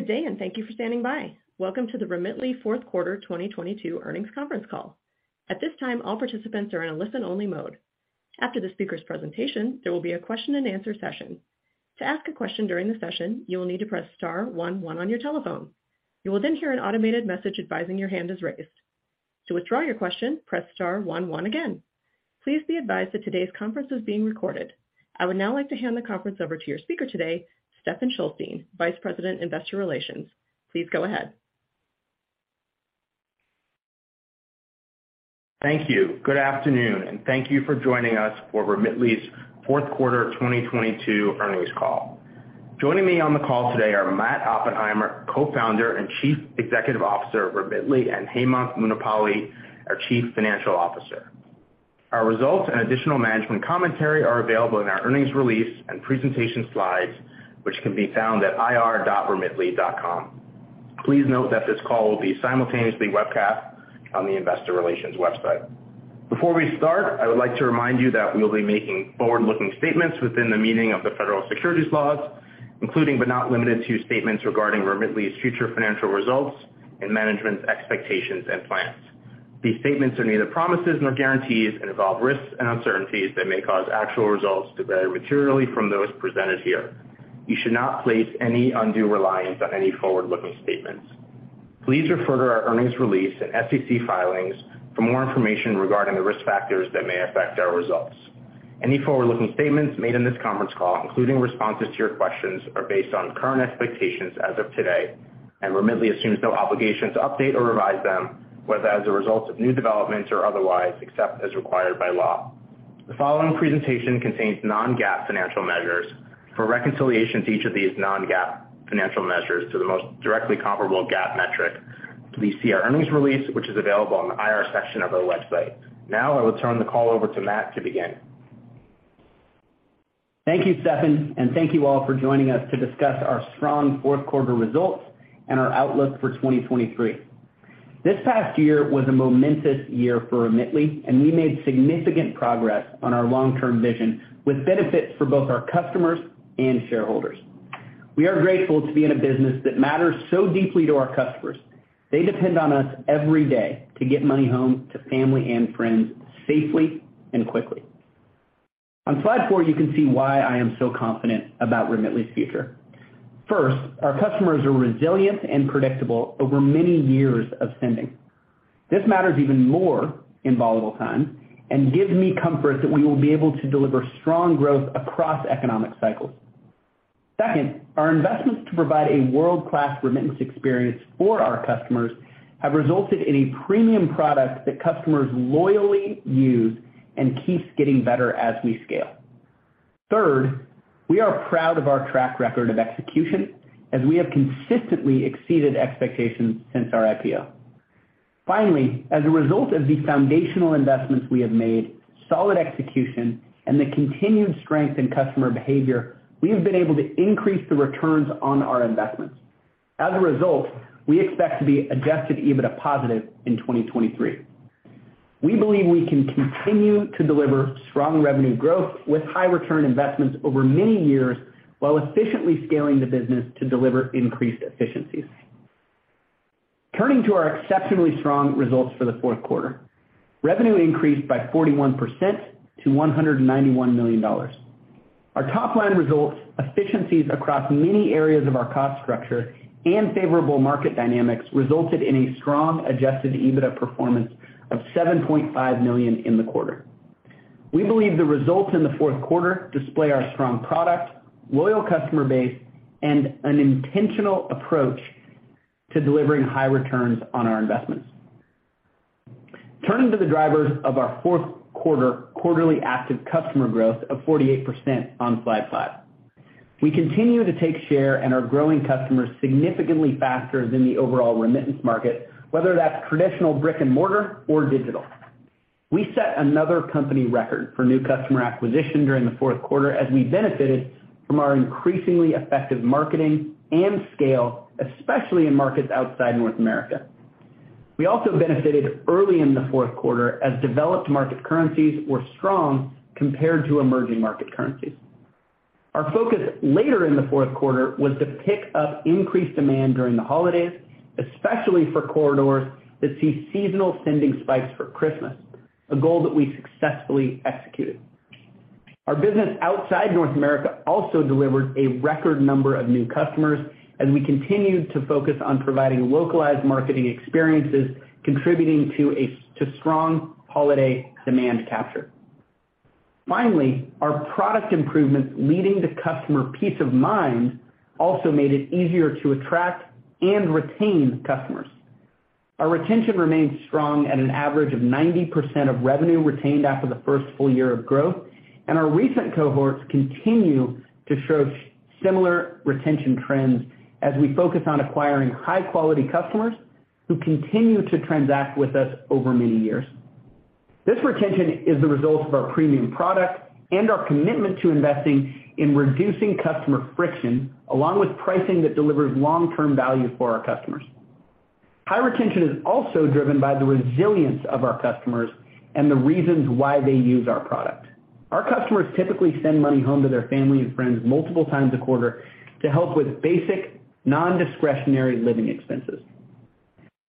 Good day. Thank you for standing by. Welcome to the Remitly fourth quarter 2022 earnings conference call. At this time, all participants are in a listen-only mode. After the speaker's presentation, there will be a question-and-answer session. To ask a question during the session, you will need to press star-one-one on your telephone. You will hear an automated message advising your hand is raised. To withdraw your question, press star-one-one again. Please be advised that today's conference is being recorded. I would now like to hand the conference over to your speaker today, Stephen Shulstein, Vice President, Investor Relations. Please go ahead. Thank you. Good afternoon, and thank you for joining us for Remitly's 4th quarter 2022 earnings call. Joining me on the call today are Matt Oppenheimer, Co-founder and Chief Executive Officer of Remitly, and Hemanth Munipalli, our Chief Financial Officer. Our results and additional management commentary are available in our earnings release and presentation slides, which can be found at ir.remitly.com. Please note that this call will be simultaneously webcast on the investor relations website. Before we start, I would like to remind you that we'll be making forward-looking statements within the meaning of the federal securities laws, including, but not limited to, statements regarding Remitly's future financial results and management's expectations and plans. These statements are neither promises nor guarantees, and involve risks and uncertainties that may cause actual results to vary materially from those presented here. You should not place any undue reliance on any forward-looking statements. Please refer to our earnings release and SEC filings for more information regarding the risk factors that may affect our results. Any forward-looking statements made in this conference call, including responses to your questions, are based on current expectations as of today, and Remitly assumes no obligation to update or revise them, whether as a result of new developments or otherwise, except as required by law. The following presentation contains non-GAAP financial measures. For reconciliations to each of these non-GAAP financial measures to the most directly comparable GAAP metric, please see our earnings release, which is available on the IR section of our website. Now I will turn the call over to Matt to begin. Thank you, Stefan, and thank you all for joining us to discuss our strong fourth quarter results and our outlook for 2023. This past year was a momentous year for Remitly, and we made significant progress on our long-term vision, with benefits for both our customers and shareholders. We are grateful to be in a business that matters so deeply to our customers. They depend on us every day to get money home to family and friends safely and quickly. On slide 4, you can see why I am so confident about Remitly's future. First, our customers are resilient and predictable over many years of sending. This matters even more in volatile times and gives me comfort that we will be able to deliver strong growth across economic cycles. Second, our investments to provide a world-class remittance experience for our customers have resulted in a premium product that customers loyally use and keeps getting better as we scale. Third, we are proud of our track record of execution, as we have consistently exceeded expectations since our IPO. Finally, as a result of these foundational investments we have made, solid execution, and the continued strength in customer behavior, we have been able to increase the returns on our investments. As a result, we expect to be Adjusted EBITDA positive in 2023. We believe we can continue to deliver strong revenue growth with high return investments over many years, while efficiently scaling the business to deliver increased efficiencies. Turning to our exceptionally strong results for the fourth quarter. Revenue increased by 41% to $191 million. Our top-line results, efficiencies across many areas of our cost structure, and favorable market dynamics resulted in a strong Adjusted EBITDA performance of $7.5 million in the quarter. We believe the results in the fourth quarter display our strong product, loyal customer base, and an intentional approach to delivering high returns on our investments. Turning to the drivers of our fourth quarter quarterly active customer growth of 48% on slide 5. We continue to take share and are growing customers significantly faster than the overall remittance market, whether that's traditional brick-and-mortar or digital. We set another company record for new customer acquisition during the fourth quarter as we benefited from our increasingly effective marketing and scale, especially in markets outside North America. We also benefited early in the fourth quarter as developed market currencies were strong compared to emerging market currencies. Our focus later in the fourth quarter was to pick up increased demand during the holidays, especially for corridors that see seasonal sending spikes for Christmas, a goal that we successfully executed. Our business outside North America also delivered a record number of new customers as we continued to focus on providing localized marketing experiences contributing to strong holiday demand capture. Finally, our product improvements leading to customer peace of mind also made it easier to attract and retain customers. Our retention remains strong at an average of 90% of revenue retained after the first full year of growth. Our recent cohorts continue to show similar retention trends as we focus on acquiring high-quality customers who continue to transact with us over many years. This retention is the result of our premium product and our commitment to investing in reducing customer friction, along with pricing that delivers long-term value for our customers. High retention is also driven by the resilience of our customers and the reasons why they use our product. Our customers typically send money home to their family and friends multiple times a quarter to help with basic non-discretionary living expenses.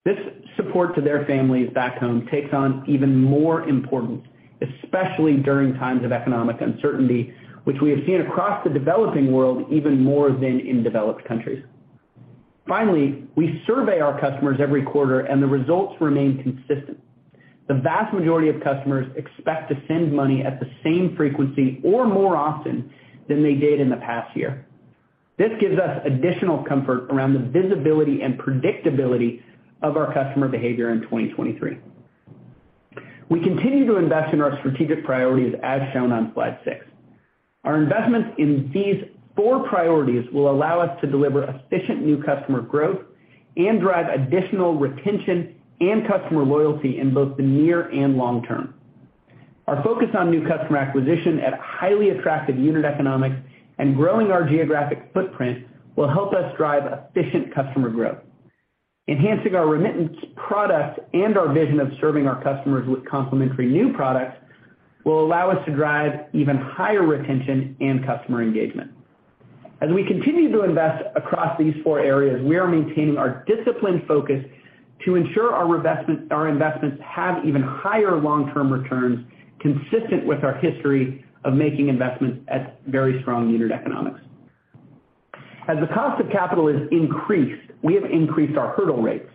This support to their families back home takes on even more importance, especially during times of economic uncertainty, which we have seen across the developing world even more than in developed countries. Finally, we survey our customers every quarter and the results remain consistent. The vast majority of customers expect to send money at the same frequency or more often than they did in the past year. This gives us additional comfort around the visibility and predictability of our customer behavior in 2023. We continue to invest in our strategic priorities as shown on slide 6. Our investments in these four priorities will allow us to deliver efficient new customer growth and drive additional retention and customer loyalty in both the near and long-term. Our focus on new customer acquisition at highly attractive unit economics and growing our geographic footprint will help us drive efficient customer growth. Enhancing our remittance products and our vision of serving our customers with complimentary new products will allow us to drive even higher retention and customer engagement. As we continue to invest across these four areas, we are maintaining our disciplined focus to ensure our investments have even higher long-term returns consistent with our history of making investments at very strong unit economics. As the cost of capital is increased, we have increased our hurdle rates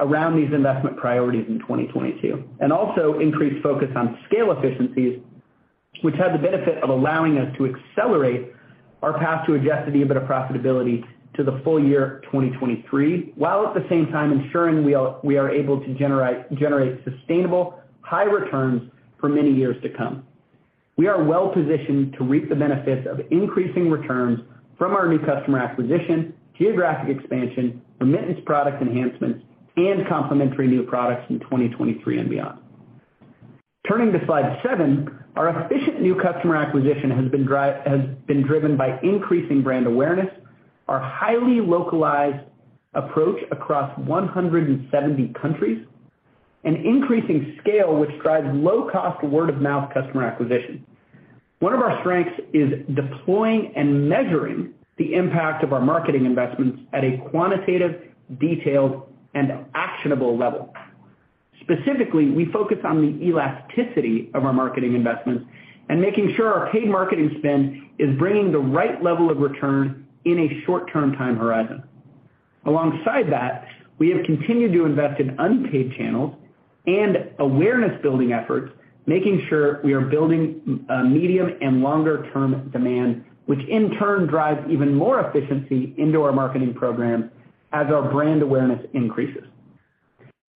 around these investment priorities in 2022, also increased focus on scale efficiencies, which have the benefit of allowing us to accelerate our path to Adjusted EBITDA profitability to the full year 2023, while at the same time ensuring we are able to generate sustainable high returns for many years to come. We are well-positioned to reap the benefits of increasing returns from our new customer acquisition, geographic expansion, remittance product enhancements, complimentary new products in 2023 and beyond. Turning to slide 7, our efficient new customer acquisition has been driven by increasing brand awareness, our highly localized approach across 170 countries, increasing scale, which drives low-cost word-of-mouth customer acquisition. One of our strengths is deploying and measuring the impact of our marketing investments at a quantitative, detailed, and actionable level. Specifically, we focus on the elasticity of our marketing investments and making sure our paid marketing spend is bringing the right level of return in a short-term time horizon. Alongside that, we have continued to invest in unpaid channels and awareness-building efforts, making sure we are building medium and longer-term demand, which in turn drives even more efficiency into our marketing program as our brand awareness increases.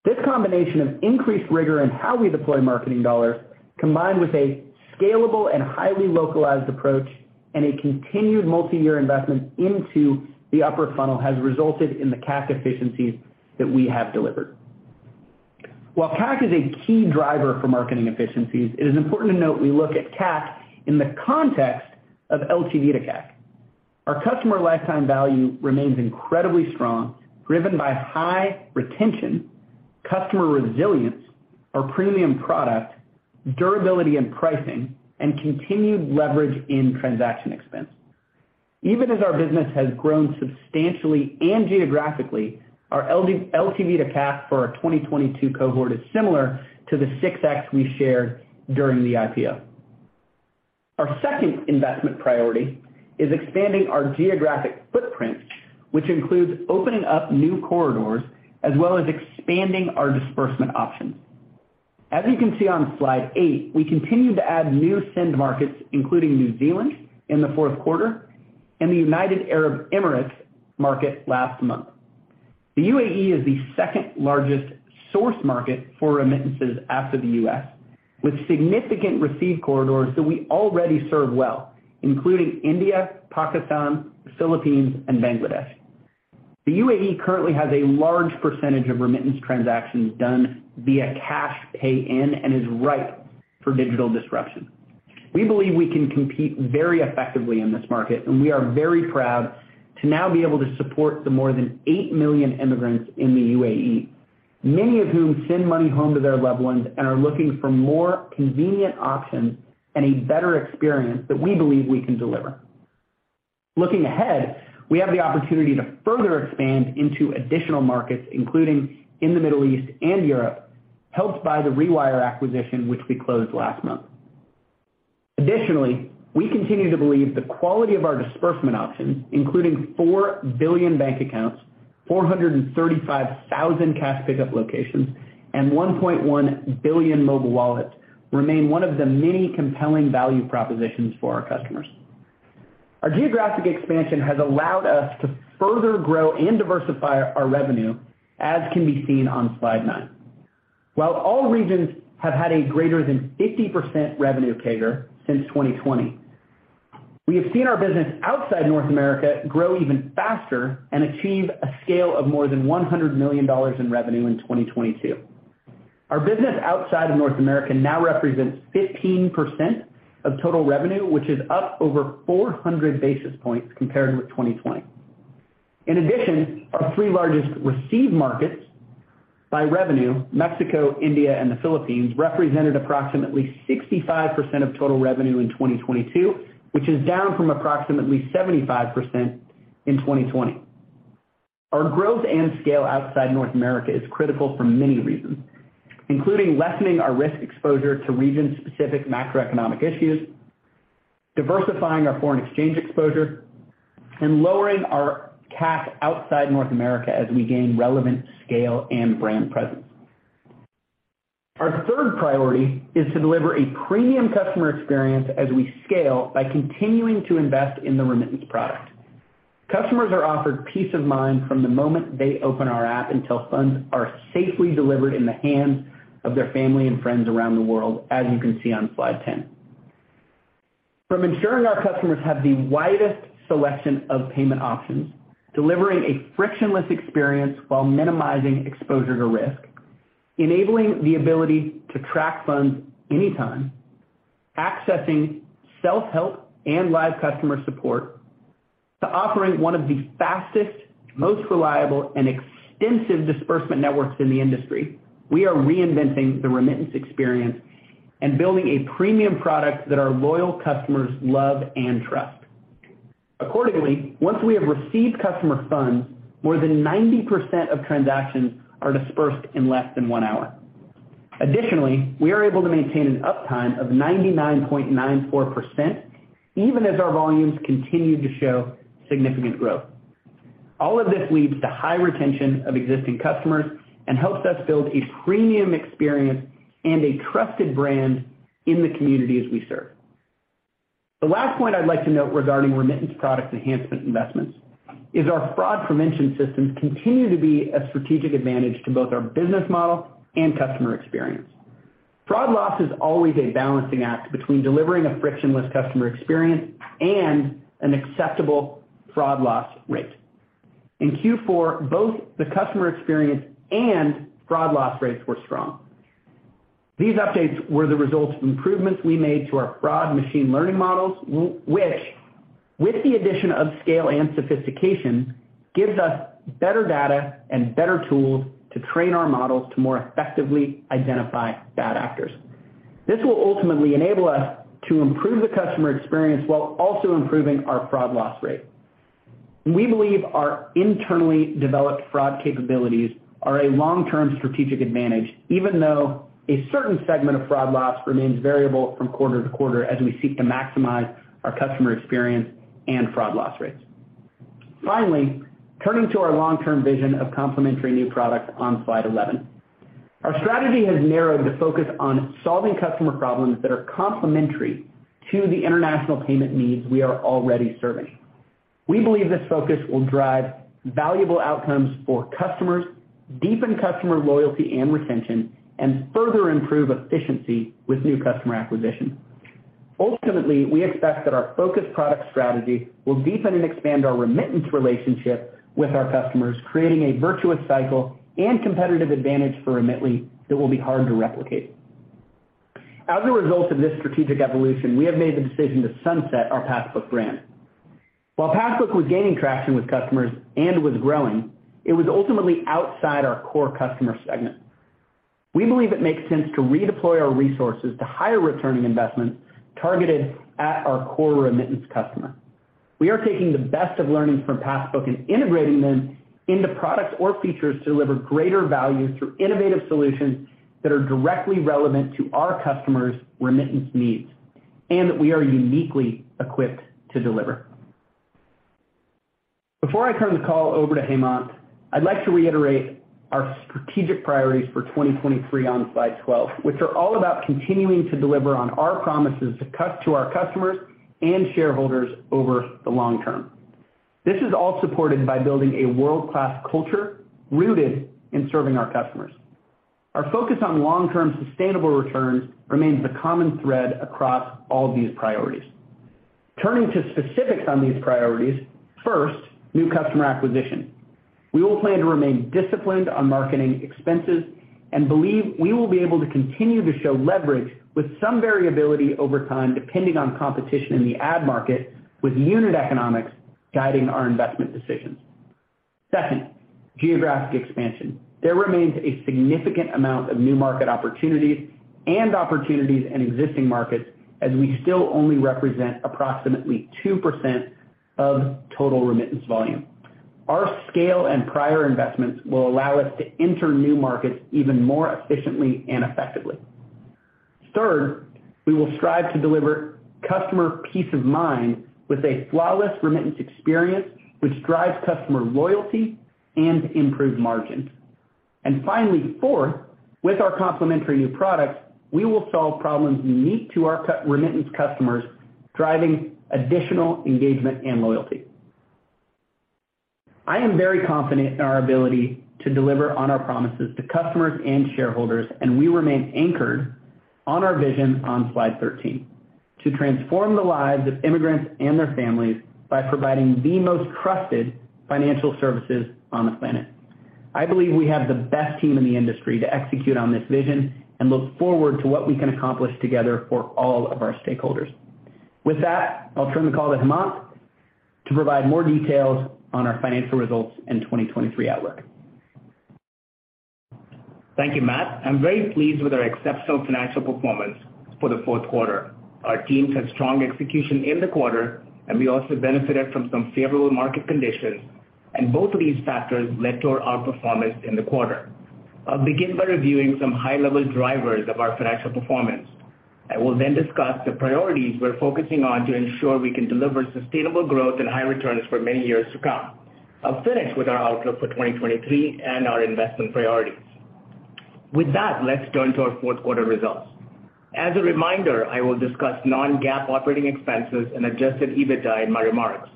This combination of increased rigor in how we deploy marketing dollars, combined with a scalable and highly localized approach and a continued multiyear investment into the upper funnel, has resulted in the CAC efficiencies that we have delivered. While CAC is a key driver for marketing efficiencies, it is important to note we look at CAC in the context of LTV to CAC. Our customer lifetime value remains incredibly strong, driven by high retention, customer resilience, our premium product, durability in pricing, and continued leverage in transaction expense. Even as our business has grown substantially and geographically, our LTV to CAC for our 2022 cohort is similar to the 6x we shared during the IPO. Our second investment priority is expanding our geographic footprint, which includes opening up new corridors as well as expanding our disbursement options. As you can see on slide 8, we continue to add new send markets, including New Zealand in the fourth quarter and the United Arab Emirates market last month. The UAE is the second-largest source market for remittances after the U.S., with significant receive corridors that we already serve well, including India, Pakistan, the Philippines, and Bangladesh. The UAE currently has a large percentage of remittance transactions done via cash pay in and is ripe for digital disruption. We believe we can compete very effectively in this market, and we are very proud to now be able to support the more than 8 million immigrants in the UAE, many of whom send money home to their loved ones and are looking for more convenient options and a better experience that we believe we can deliver. Looking ahead, we have the opportunity to further expand into additional markets, including in the Middle East and Europe, helped by the Rewire acquisition, which we closed last month. We continue to believe the quality of our disbursement options, including 4 billion bank accounts, 435,000 cash pickup locations, and 1.1 billion mobile wallets, remain one of the many compelling value propositions for our customers. Our geographic expansion has allowed us to further grow and diversify our revenue, as can be seen on slide nine. While all regions have had a greater than 50% revenue CAGR since 2020, we have seen our business outside North America grow even faster and achieve a scale of more than $100 million in revenue in 2022. Our business outside of North America now represents 15% of total revenue, which is up over 400 basis points compared with 2020. In addition, our three largest received markets by revenue, Mexico, India, and the Philippines, represented approximately 65% of total revenue in 2022, which is down from approximately 75% in 2020. Our growth and scale outside North America is critical for many reasons, including lessening our risk exposure to region-specific macroeconomic issues, diversifying our foreign exchange exposure, and lowering our cash outside North America as we gain relevant scale and brand presence. Our third priority is to deliver a premium customer experience as we scale by continuing to invest in the remittance product. Customers are offered peace of mind from the moment they open our app until funds are safely delivered in the hands of their family and friends around the world, as you can see on slide 10. From ensuring our customers have the widest selection of payment options, delivering a frictionless experience while minimizing exposure to risk, enabling the ability to track funds anytime, accessing self-help and live customer support to offering one of the fastest, most reliable and extensive disbursement networks in the industry, we are reinventing the remittance experience and building a premium product that our loyal customers love and trust. Accordingly, once we have received customer funds, more than 90% of transactions are disbursed in less than one hour. Additionally, we are able to maintain an uptime of 99.94%, even as our volumes continue to show significant growth. All of this leads to high retention of existing customers and helps us build a premium experience and a trusted brand in the communities we serve. The last point I'd like to note regarding remittance product enhancement investments is our fraud prevention systems continue to be a strategic advantage to both our business model and customer experience. Fraud loss is always a balancing act between delivering a frictionless customer experience and an acceptable fraud loss rate. In Q4, both the customer experience and fraud loss rates were strong. These updates were the result of improvements we made to our fraud machine learning models, which with the addition of scale and sophistication, gives us better data and better tools to train our models to more effectively identify bad actors. This will ultimately enable us to improve the customer experience while also improving our fraud loss rate. We believe our internally developed fraud capabilities are a long-term strategic advantage, even though a certain segment of fraud loss remains variable from quarter to quarter as we seek to maximize our customer experience and fraud loss rates. Finally, turning to our long-term vision of complementary new products on slide 11. Our strategy has narrowed to focus on solving customer problems that are complementary to the international payment needs we are already serving. We believe this focus will drive valuable outcomes for customers, deepen customer loyalty and retention, and further improve efficiency with new customer acquisition. Ultimately, we expect that our focused product strategy will deepen and expand our remittance relationship with our customers, creating a virtuous cycle and competitive advantage for Remitly that will be hard to replicate. As a result of this strategic evolution, we have made the decision to sunset our Passbook brand. While Passbook was gaining traction with customers and was growing, it was ultimately outside our core customer segment. We believe it makes sense to redeploy our resources to higher returning investments targeted at our core remittance customer. We are taking the best of learnings from Passbook and integrating them into products or features to deliver greater value through innovative solutions that are directly relevant to our customers' remittance needs and that we are uniquely equipped to deliver. Before I turn the call over to Hemanth, I'd like to reiterate our strategic priorities for 2023 on slide 12, which are all about continuing to deliver on our promises to our customers and shareholders over the long-term. This is all supported by building a world-class culture rooted in serving our customers. Our focus on long-term sustainable returns remains the common thread across all these priorities. Turning to specifics on these priorities. First, new customer acquisition. We will plan to remain disciplined on marketing expenses and believe we will be able to continue to show leverage with some variability over time, depending on competition in the ad market, with unit economics guiding our investment decisions. Second, geographic expansion. There remains a significant amount of new market opportunities and opportunities in existing markets as we still only represent approximately 2% of total remittance volume. Our scale and prior investments will allow us to enter new markets even more efficiently and effectively. Third, we will strive to deliver customer peace of mind with a flawless remittance experience which drives customer loyalty and improved margins. Finally, fourth, with our complementary new products, we will solve problems unique to our remittance customers, driving additional engagement and loyalty. I am very confident in our ability to deliver on our promises to customers and shareholders, we remain anchored on our vision on slide 13. To transform the lives of immigrants and their families by providing the most trusted financial services on the planet. I believe we have the best team in the industry to execute on this vision and look forward to what we can accomplish together for all of our stakeholders. With that, I'll turn the call to Hemanth to provide more details on our financial results in 2023 outlook. Thank you, Matt. I'm very pleased with our exceptional financial performance for the fourth quarter. Our teams had strong execution in the quarter, and we also benefited from some favorable market conditions, and both of these factors led to our outperformance in the quarter. I'll begin by reviewing some high-level drivers of our financial performance. I will discuss the priorities we're focusing on to ensure we can deliver sustainable growth and high returns for many years to come. I'll finish with our outlook for 2023 and our investment priorities. With that, let's turn to our fourth quarter results. As a reminder, I will discuss non-GAAP operating expenses and Adjusted EBITDA in my remarks.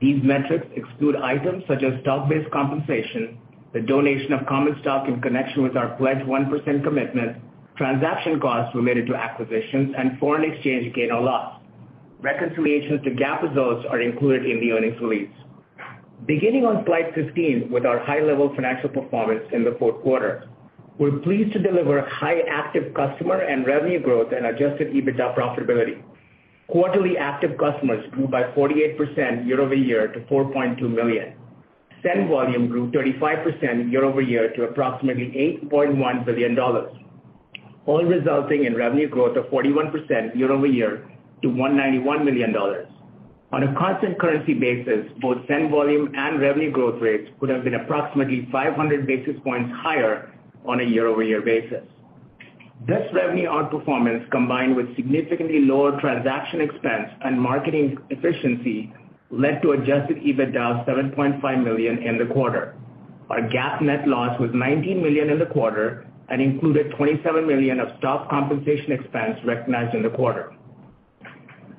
These metrics exclude items such as stock-based compensation, the donation of common stock in connection with our pledged 1% commitment, transaction costs related to acquisitions, and foreign exchange gain or loss. Reconciliation to GAAP results are included in the earnings release. Beginning on slide 15 with our high-level financial performance in the fourth quarter, we're pleased to deliver high active customer and revenue growth and Adjusted EBITDA profitability. Quarterly active customers grew by 48% year-over-year to 4.2 million. Send volume grew 35% year-over-year to approximately $8.1 billion, all resulting in revenue growth of 41% year-over-year to $191 million. On a constant currency basis, both send volume and revenue growth rates would have been approximately 500 basis points higher on a year-over-year basis. This revenue outperformance, combined with significantly lower transaction expense and marketing efficiency, led to Adjusted EBITDA of $7.5 million in the quarter. Our GAAP net loss was $19 million in the quarter and included $27 million of stock compensation expense recognized in the quarter.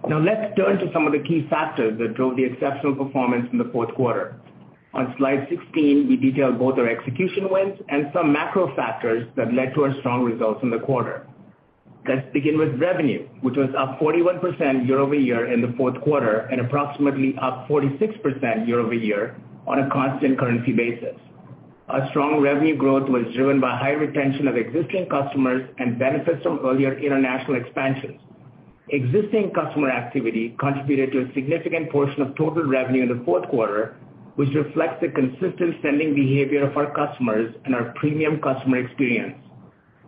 Let's turn to some of the key factors that drove the exceptional performance in the fourth quarter. On slide 16, we detailed both our execution wins and some macro factors that led to our strong results in the quarter. Let's begin with revenue, which was up 41% year-over-year in the fourth quarter and approximately up 46% year-over-year on a constant currency basis. Our strong revenue growth was driven by high retention of existing customers and benefits from earlier international expansions. Existing customer activity contributed to a significant portion of total revenue in the fourth quarter, which reflects the consistent spending behavior of our customers and our premium customer experience.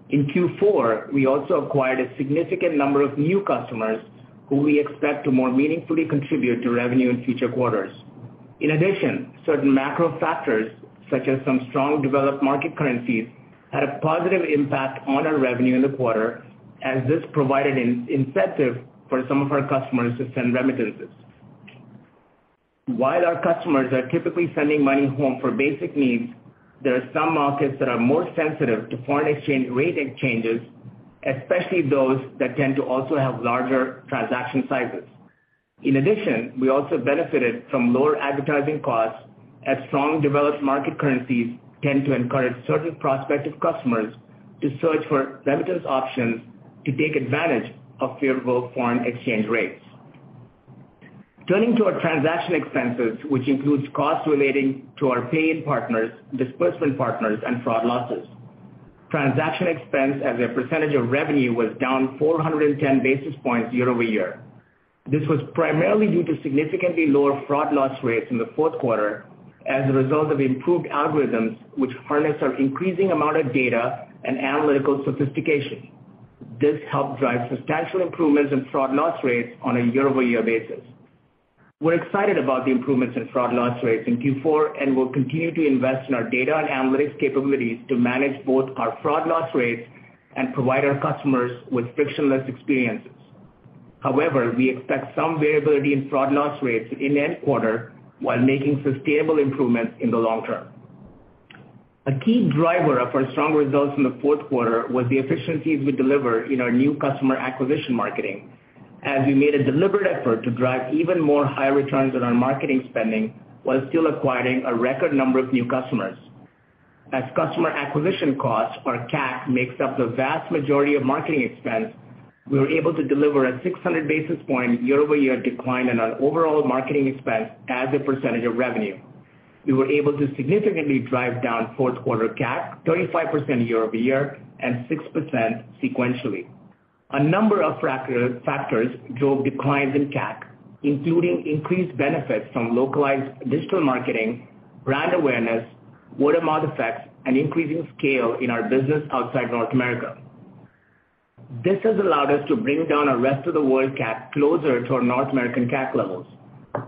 In Q4, we also acquired a significant number of new customers who we expect to more meaningfully contribute to revenue in future quarters. Certain macro factors, such as some strong developed market currencies, had a positive impact on our revenue in the quarter, as this provided an incentive for some of our customers to send remittances. While our customers are typically sending money home for basic needs, there are some markets that are more sensitive to foreign exchange rate changes, especially those that tend to also have larger transaction sizes. We also benefited from lower advertising costs, as strong developed market currencies tend to encourage certain prospective customers to search for remittance options to take advantage of favorable foreign exchange rates. Turning to our transaction expenses, which includes costs relating to our pay-in partners, disbursement partners, and fraud losses. Transaction expense as a percentage of revenue was down 410 basis points year-over-year. This was primarily due to significantly lower fraud loss rates in the fourth quarter as a result of improved algorithms which harness our increasing amount of data and analytical sophistication. This helped drive substantial improvements in fraud loss rates on a year-over-year basis. We're excited about the improvements in fraud loss rates in Q4, and we'll continue to invest in our data and analytics capabilities to manage both our fraud loss rates and provide our customers with frictionless experiences. However, we expect some variability in fraud loss rates in any quarter while making sustainable improvements in the long-term. A key driver of our strong results in the fourth quarter was the efficiencies we delivered in our new customer acquisition marketing, as we made a deliberate effort to drive even more high returns on our marketing spending while still acquiring a record number of new customers. As customer acquisition costs, or CAC, makes up the vast majority of marketing expense, we were able to deliver a 600 basis point year-over-year decline in our overall marketing expense as a percentage of revenue. We were able to significantly drive down fourth quarter CAC 35% year-over-year and 6% sequentially. A number of factors drove declines in CAC, including increased benefits from localized digital marketing, brand awareness, word-of-mouth effects, and increasing scale in our business outside North America. This has allowed us to bring down our rest of the world CAC closer to our North American CAC levels.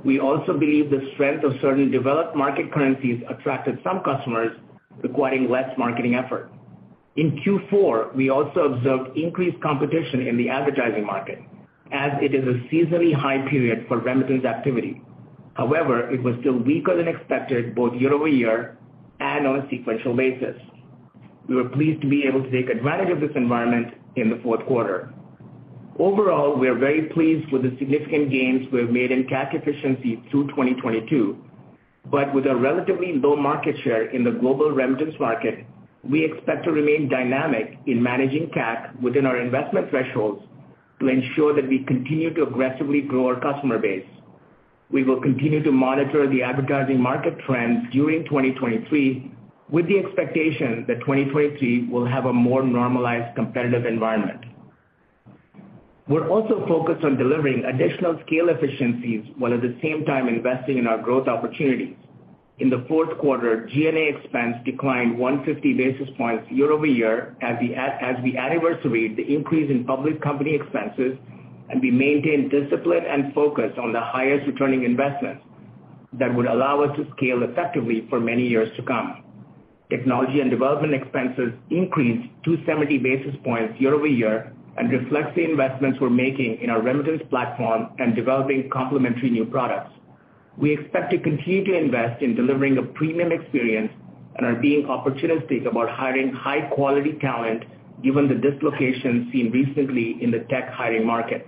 We also believe the strength of certain developed market currencies attracted some customers requiring less marketing effort. In Q4, we also observed increased competition in the advertising market, as it is a seasonally high period for remittance activity. It was still weaker than expected both year-over-year and on a sequential basis. We were pleased to be able to take advantage of this environment in the fourth quarter. Overall, we are very pleased with the significant gains we have made in cash efficiency through 2022. With a relatively low market share in the global remittance market, we expect to remain dynamic in managing CAC within our investment thresholds to ensure that we continue to aggressively grow our customer base. We will continue to monitor the advertising market trends during 2023, with the expectation that 2023 will have a more normalized competitive environment. We're also focused on delivering additional scale efficiencies, while at the same time investing in our growth opportunities. In the fourth quarter, G&A expense declined 150 basis points year-over-year as we anniversaried the increase in public company expenses. We maintained discipline and focus on the highest returning investments that would allow us to scale effectively for many years to come. Technology and development expenses increased 270 basis points year-over-year. Reflects the investments we're making in our remittance platform and developing complementary new products. We expect to continue to invest in delivering a premium experience and are being opportunistic about hiring high-quality talent given the dislocations seen recently in the tech hiring market.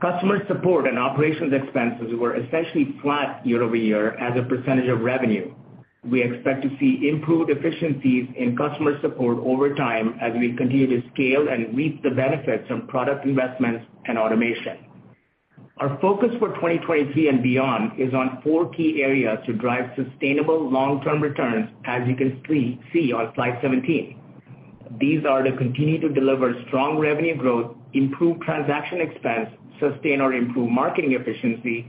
Customer support and operations expenses were essentially flat year-over-year as a percentage of revenue. We expect to see improved efficiencies in customer support over time as we continue to scale and reap the benefits from product investments and automation. Our focus for 2023 and beyond is on four key areas to drive sustainable long-term returns, as you can see on slide 17. These are to continue to deliver strong revenue growth, improve transaction expense, sustain or improve marketing efficiency,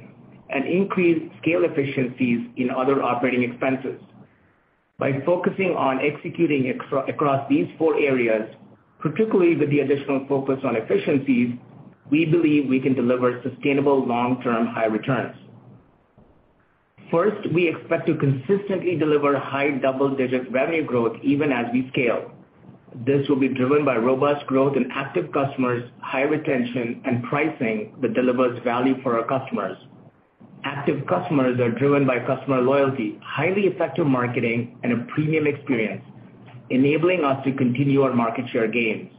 and increase scale efficiencies in other operating expenses. By focusing on executing across these four areas, particularly with the additional focus on efficiencies, we believe we can deliver sustainable long-term high returns. First, we expect to consistently deliver high double-digit revenue growth even as we scale. This will be driven by robust growth in active customers, high retention, and pricing that delivers value for our customers. Active customers are driven by customer loyalty, highly effective marketing, and a premium experience, enabling us to continue our market share gains.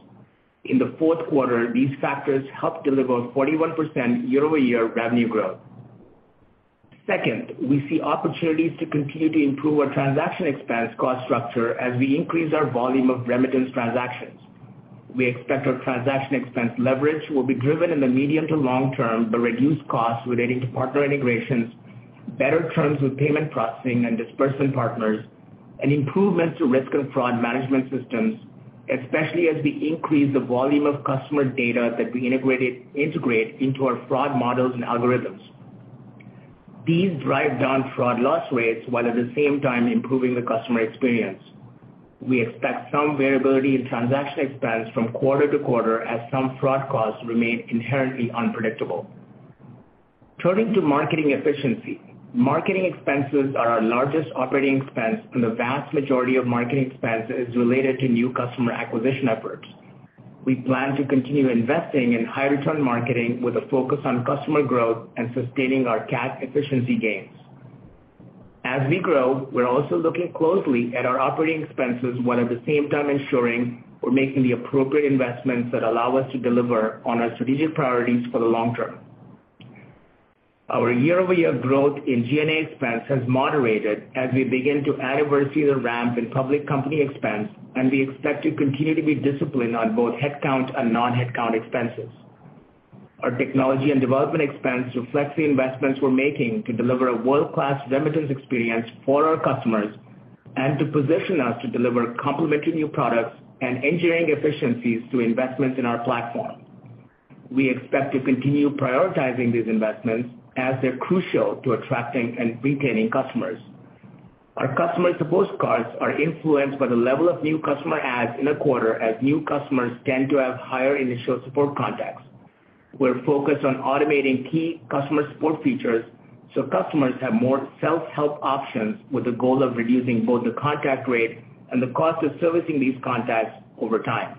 In the fourth quarter, these factors helped deliver 41% year-over-year revenue growth. Second, we see opportunities to continue to improve our transaction expense cost structure as we increase our volume of remittance transactions. We expect our transaction expense leverage will be driven in the medium to long-term, the reduced costs relating to partner integrations, better terms with payment processing and disbursement partners, and improvements to risk and fraud management systems, especially as we increase the volume of customer data that we integrate into our fraud models and algorithms. These drive down fraud loss rates, while at the same time improving the customer experience. We expect some variability in transaction expense from quarter to quarter as some fraud costs remain inherently unpredictable. Turning to marketing efficiency. Marketing expenses are our largest operating expense, and the vast majority of marketing expense is related to new customer acquisition efforts. We plan to continue investing in high return marketing with a focus on customer growth and sustaining our CAC efficiency gains. As we grow, we're also looking closely at our operating expenses, while at the same time ensuring we're making the appropriate investments that allow us to deliver on our strategic priorities for the long-term. Our year-over-year growth in G&A expense has moderated as we begin to anniversary the ramp in public company expense, and we expect to continue to be disciplined on both headcount and non-headcount expenses. Our technology and development expense reflects the investments we're making to deliver a world-class remittance experience for our customers and to position us to deliver complementary new products and engineering efficiencies to investments in our platform. We expect to continue prioritizing these investments as they're crucial to attracting and retaining customers. Our customer support costs are influenced by the level of new customer adds in a quarter, as new customers tend to have higher initial support contacts. We're focused on automating key customer support features so customers have more self-help options with the goal of reducing both the contact rate and the cost of servicing these contacts over time.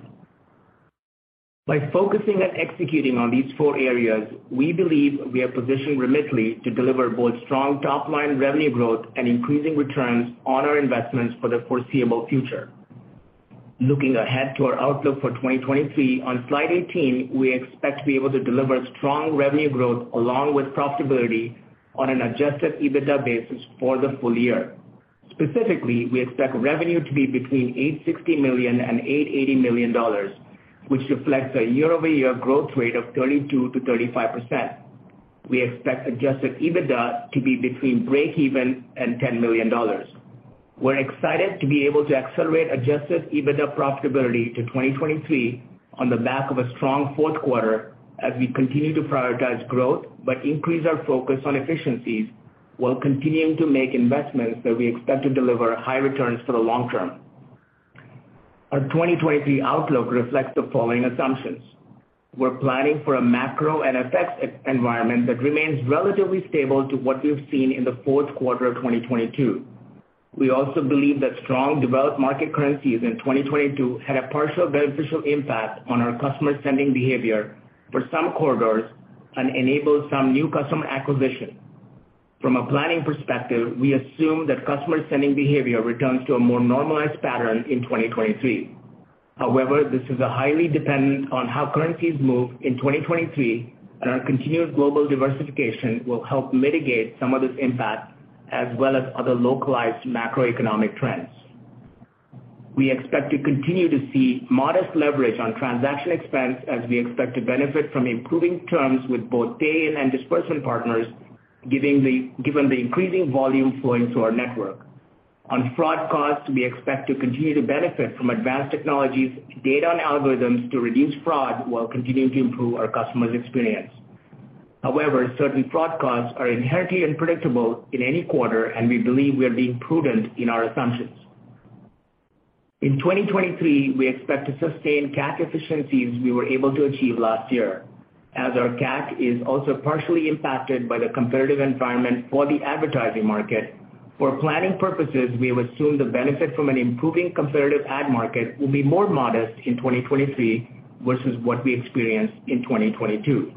By focusing and executing on these four areas, we believe we are positioning Remitly to deliver both strong top-line revenue growth and increasing returns on our investments for the foreseeable future. Looking ahead to our outlook for 2023, on slide 18, we expect to be able to deliver strong revenue growth along with profitability on an Adjusted EBITDA basis for the full year. Specifically, we expect revenue to be between $860 million and $880 million, which reflects a year-over-year growth rate of 32%-35%. We expect Adjusted EBITDA to be between breakeven and $10 million. We're excited to be able to accelerate Adjusted EBITDA profitability to 2023 on the back of a strong fourth quarter as we continue to prioritize growth, but increase our focus on efficiencies, while continuing to make investments that we expect to deliver high returns for the long-term. Our 2023 outlook reflects the following assumptions. We're planning for a macro and FX environment that remains relatively stable to what we've seen in the fourth quarter of 2022. We also believe that strong developed market currencies in 2022 had a partial beneficial impact on our customer spending behavior for some corridors and enabled some new customer acquisition. From a planning perspective, we assume that customer spending behavior returns to a more normalized pattern in 2023. However, this is highly dependent on how currencies move in 2023, and our continued global diversification will help mitigate some of this impact as well as other localized macroeconomic trends. We expect to continue to see modest leverage on transaction expense as we expect to benefit from improving terms with both pay in and disbursement partners, given the increasing volume flowing through our network. On fraud costs, we expect to continue to benefit from advanced technologies, data and algorithms to reduce fraud while continuing to improve our customers' experience. However, certain fraud costs are inherently unpredictable in any quarter, and we believe we are being prudent in our assumptions. In 2023, we expect to sustain CAC efficiencies we were able to achieve last year, as our CAC is also partially impacted by the competitive environment for the advertising market. For planning purposes, we will assume the benefit from an improving competitive ad market will be more modest in 2023 versus what we experienced in 2022.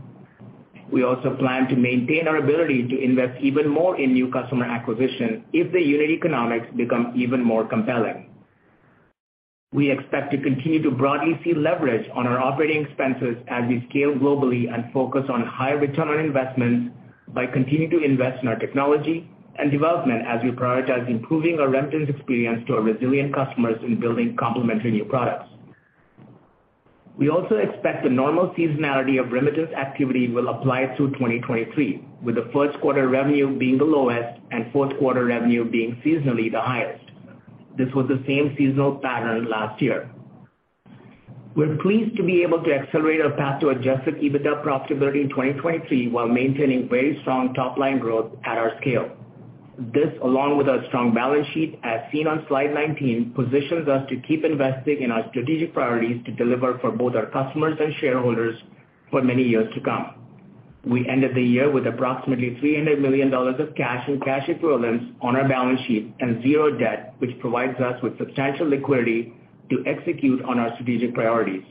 We also plan to maintain our ability to invest even more in new customer acquisition if the unit economics become even more compelling. We expect to continue to broadly see leverage on our operating expenses as we scale globally and focus on higher return on investments by continuing to invest in our technology and development as we prioritize improving our remittance experience to our resilient customers in building complementary new products. We also expect the normal seasonality of remittance activity will apply through 2023, with the first quarter revenue being the lowest and fourth quarter revenue being seasonally the highest. This was the same seasonal pattern last year. We're pleased to be able to accelerate our path to Adjusted EBITDA profitability in 2023 while maintaining very strong top-line growth at our scale. This, along with our strong balance sheet as seen on slide 19, positions us to keep investing in our strategic priorities to deliver for both our customers and shareholders for many years to come. We ended the year with approximately $300 million of cash and cash equivalents on our balance sheet and zero debt, which provides us with substantial liquidity to execute on our strategic priorities.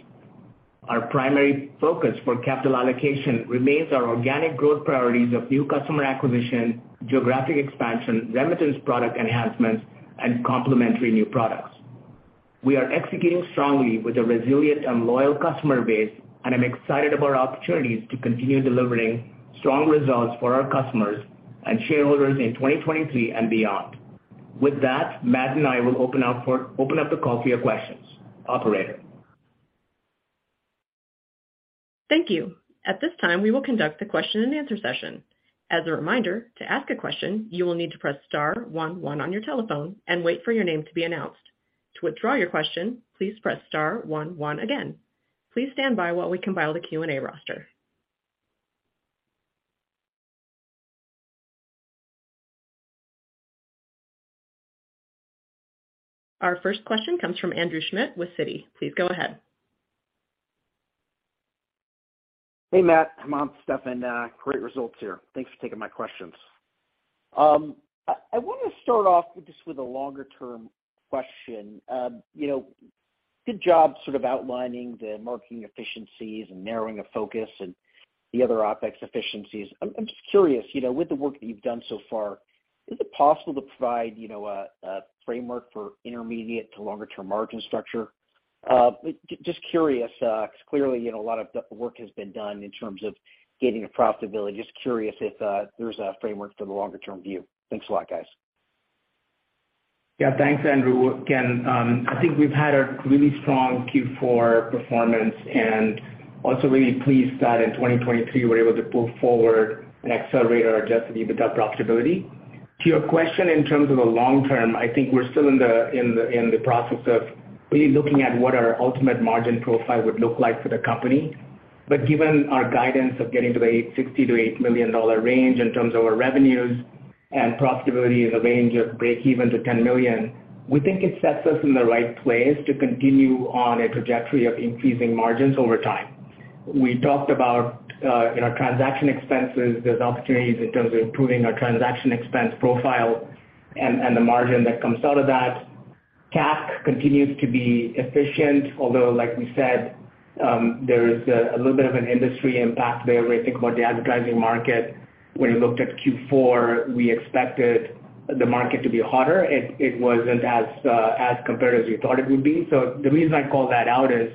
Our primary focus for capital allocation remains our organic growth priorities of new customer acquisition, geographic expansion, remittance product enhancements, and complementary new products. We are executing strongly with a resilient and loyal customer base, and I'm excited about our opportunities to continue delivering strong results for our customers and shareholders in 2023 and beyond. With that, Matt and I will open up the call for your questions. Operator? Thank you. At this time, we will conduct the question-and-answer session. As a reminder, to ask a question, you will need to press star-one-one on your telephone and wait for your name to be announced. To withdraw your question, please press star-one-one again. Please stand by while we compile the Q&A roster. Our first question comes from Andrew Schmidt with Citi. Please go ahead. Hey, Matt, Hemanth, Stefan, great results here. Thanks for taking my questions. I want to start off just with a longer-term question. You know, good job sort of outlining the marketing efficiencies and narrowing the focus and the other OpEx efficiencies. I'm just curious, you know, with the work that you've done so far, is it possible to provide, you know, a framework for intermediate to longer-term margin structure? Just curious, 'cause clearly, you know, a lot of the work has been done in terms of getting to profitability. Just curious if there's a framework for the longer-term view. Thanks a lot, guys. Yeah. Thanks, Andrew. Again, I think we've had a really strong Q4 performance and also really pleased that in 2023 we're able to pull forward and accelerate our Adjusted EBITDA profitability. To your question in terms of the long-term, I think we're still in the process of really looking at what our ultimate margin profile would look like for the company. Given our guidance of getting to the [$60 million-$80 million] range in terms of our revenues and profitability in the range of breakeven to $10 million, we think it sets us in the right place to continue on a trajectory of increasing margins over time. We talked about, you know, transaction expenses. There's opportunities in terms of improving our transaction expense profile and the margin that comes out of that. CAC continues to be efficient, although like we said, there is a little bit of an industry impact there when you think about the advertising market. When we looked at Q4, we expected the market to be hotter. It wasn't as competitive as we thought it would be. The reason I call that out is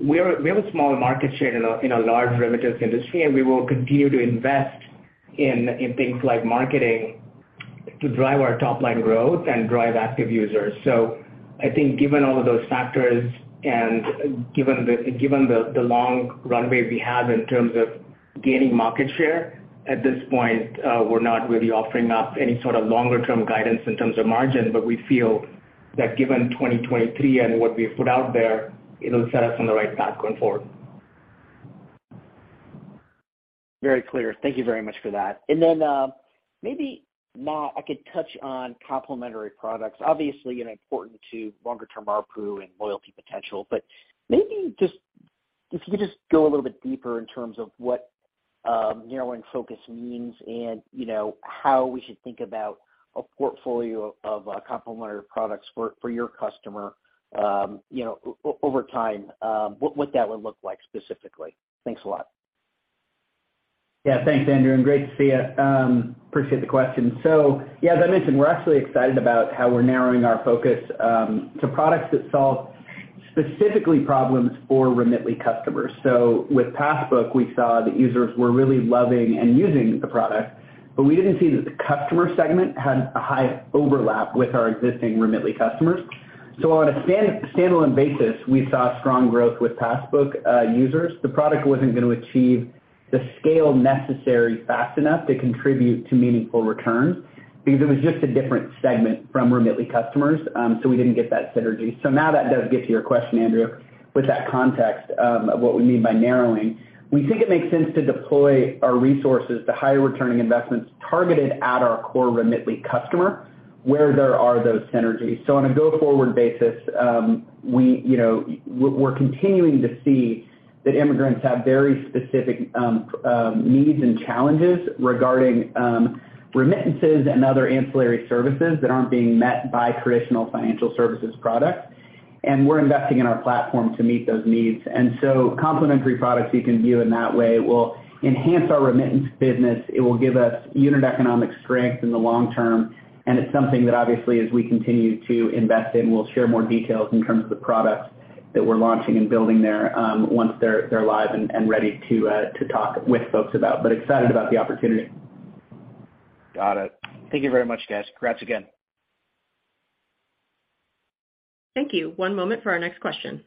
we have a small market share in a large remittance industry, and we will continue to invest in things like marketing to drive our top-line growth and drive active users. I think given all of those factors and given the long runway we have in terms of gaining market share, at this point, we're not really offering up any sort of longer-term guidance in terms of margin. We feel that given 2023 and what we've put out there, it'll set us on the right path going forward. Very clear. Thank you very much for that. Maybe, Matt, I could touch on complementary products. Obviously, you know, important to longer-term ARPU and loyalty potential. Just if you could just go a little bit deeper in terms of what narrowing focus means and, you know, how we should think about a portfolio of complementary products for your customer, you know, over time, what that would look like specifically. Thanks a lot. Yeah. Thanks, Andrew, and great to see you. Appreciate the question. Yeah, as I mentioned, we're actually excited about how we're narrowing our focus to products that solve specifically problems for Remitly customers. With Passbook, we saw that users were really loving and using the product, but we didn't see that the customer segment had a high overlap with our existing Remitly customers. On a standalone basis, we saw strong growth with Passbook users. The product wasn't going to achieve the scale necessary fast enough to contribute to meaningful returns because it was just a different segment from Remitly customers, we didn't get that synergy. Now that does get to your question, Andrew, with that context of what we mean by narrowing. We think it makes sense to deploy our resources to higher returning investments targeted at our core Remitly customer where there are those synergies. On a go-forward basis, we, you know, we're continuing to see that immigrants have very specific needs and challenges regarding remittances and other ancillary services that aren't being met by traditional financial services products. We're investing in our platform to meet those needs. Complementary products you can view in that way will enhance our remittance business. It will give us unit economic strength in the long-term, and it's something that obviously as we continue to invest in, we'll share more details in terms of the products that we're launching and building there, once they're live and ready to talk with folks about. Excited about the opportunity. Got it. Thank you very much, guys. Congrats again. Thank you. One moment for our next question.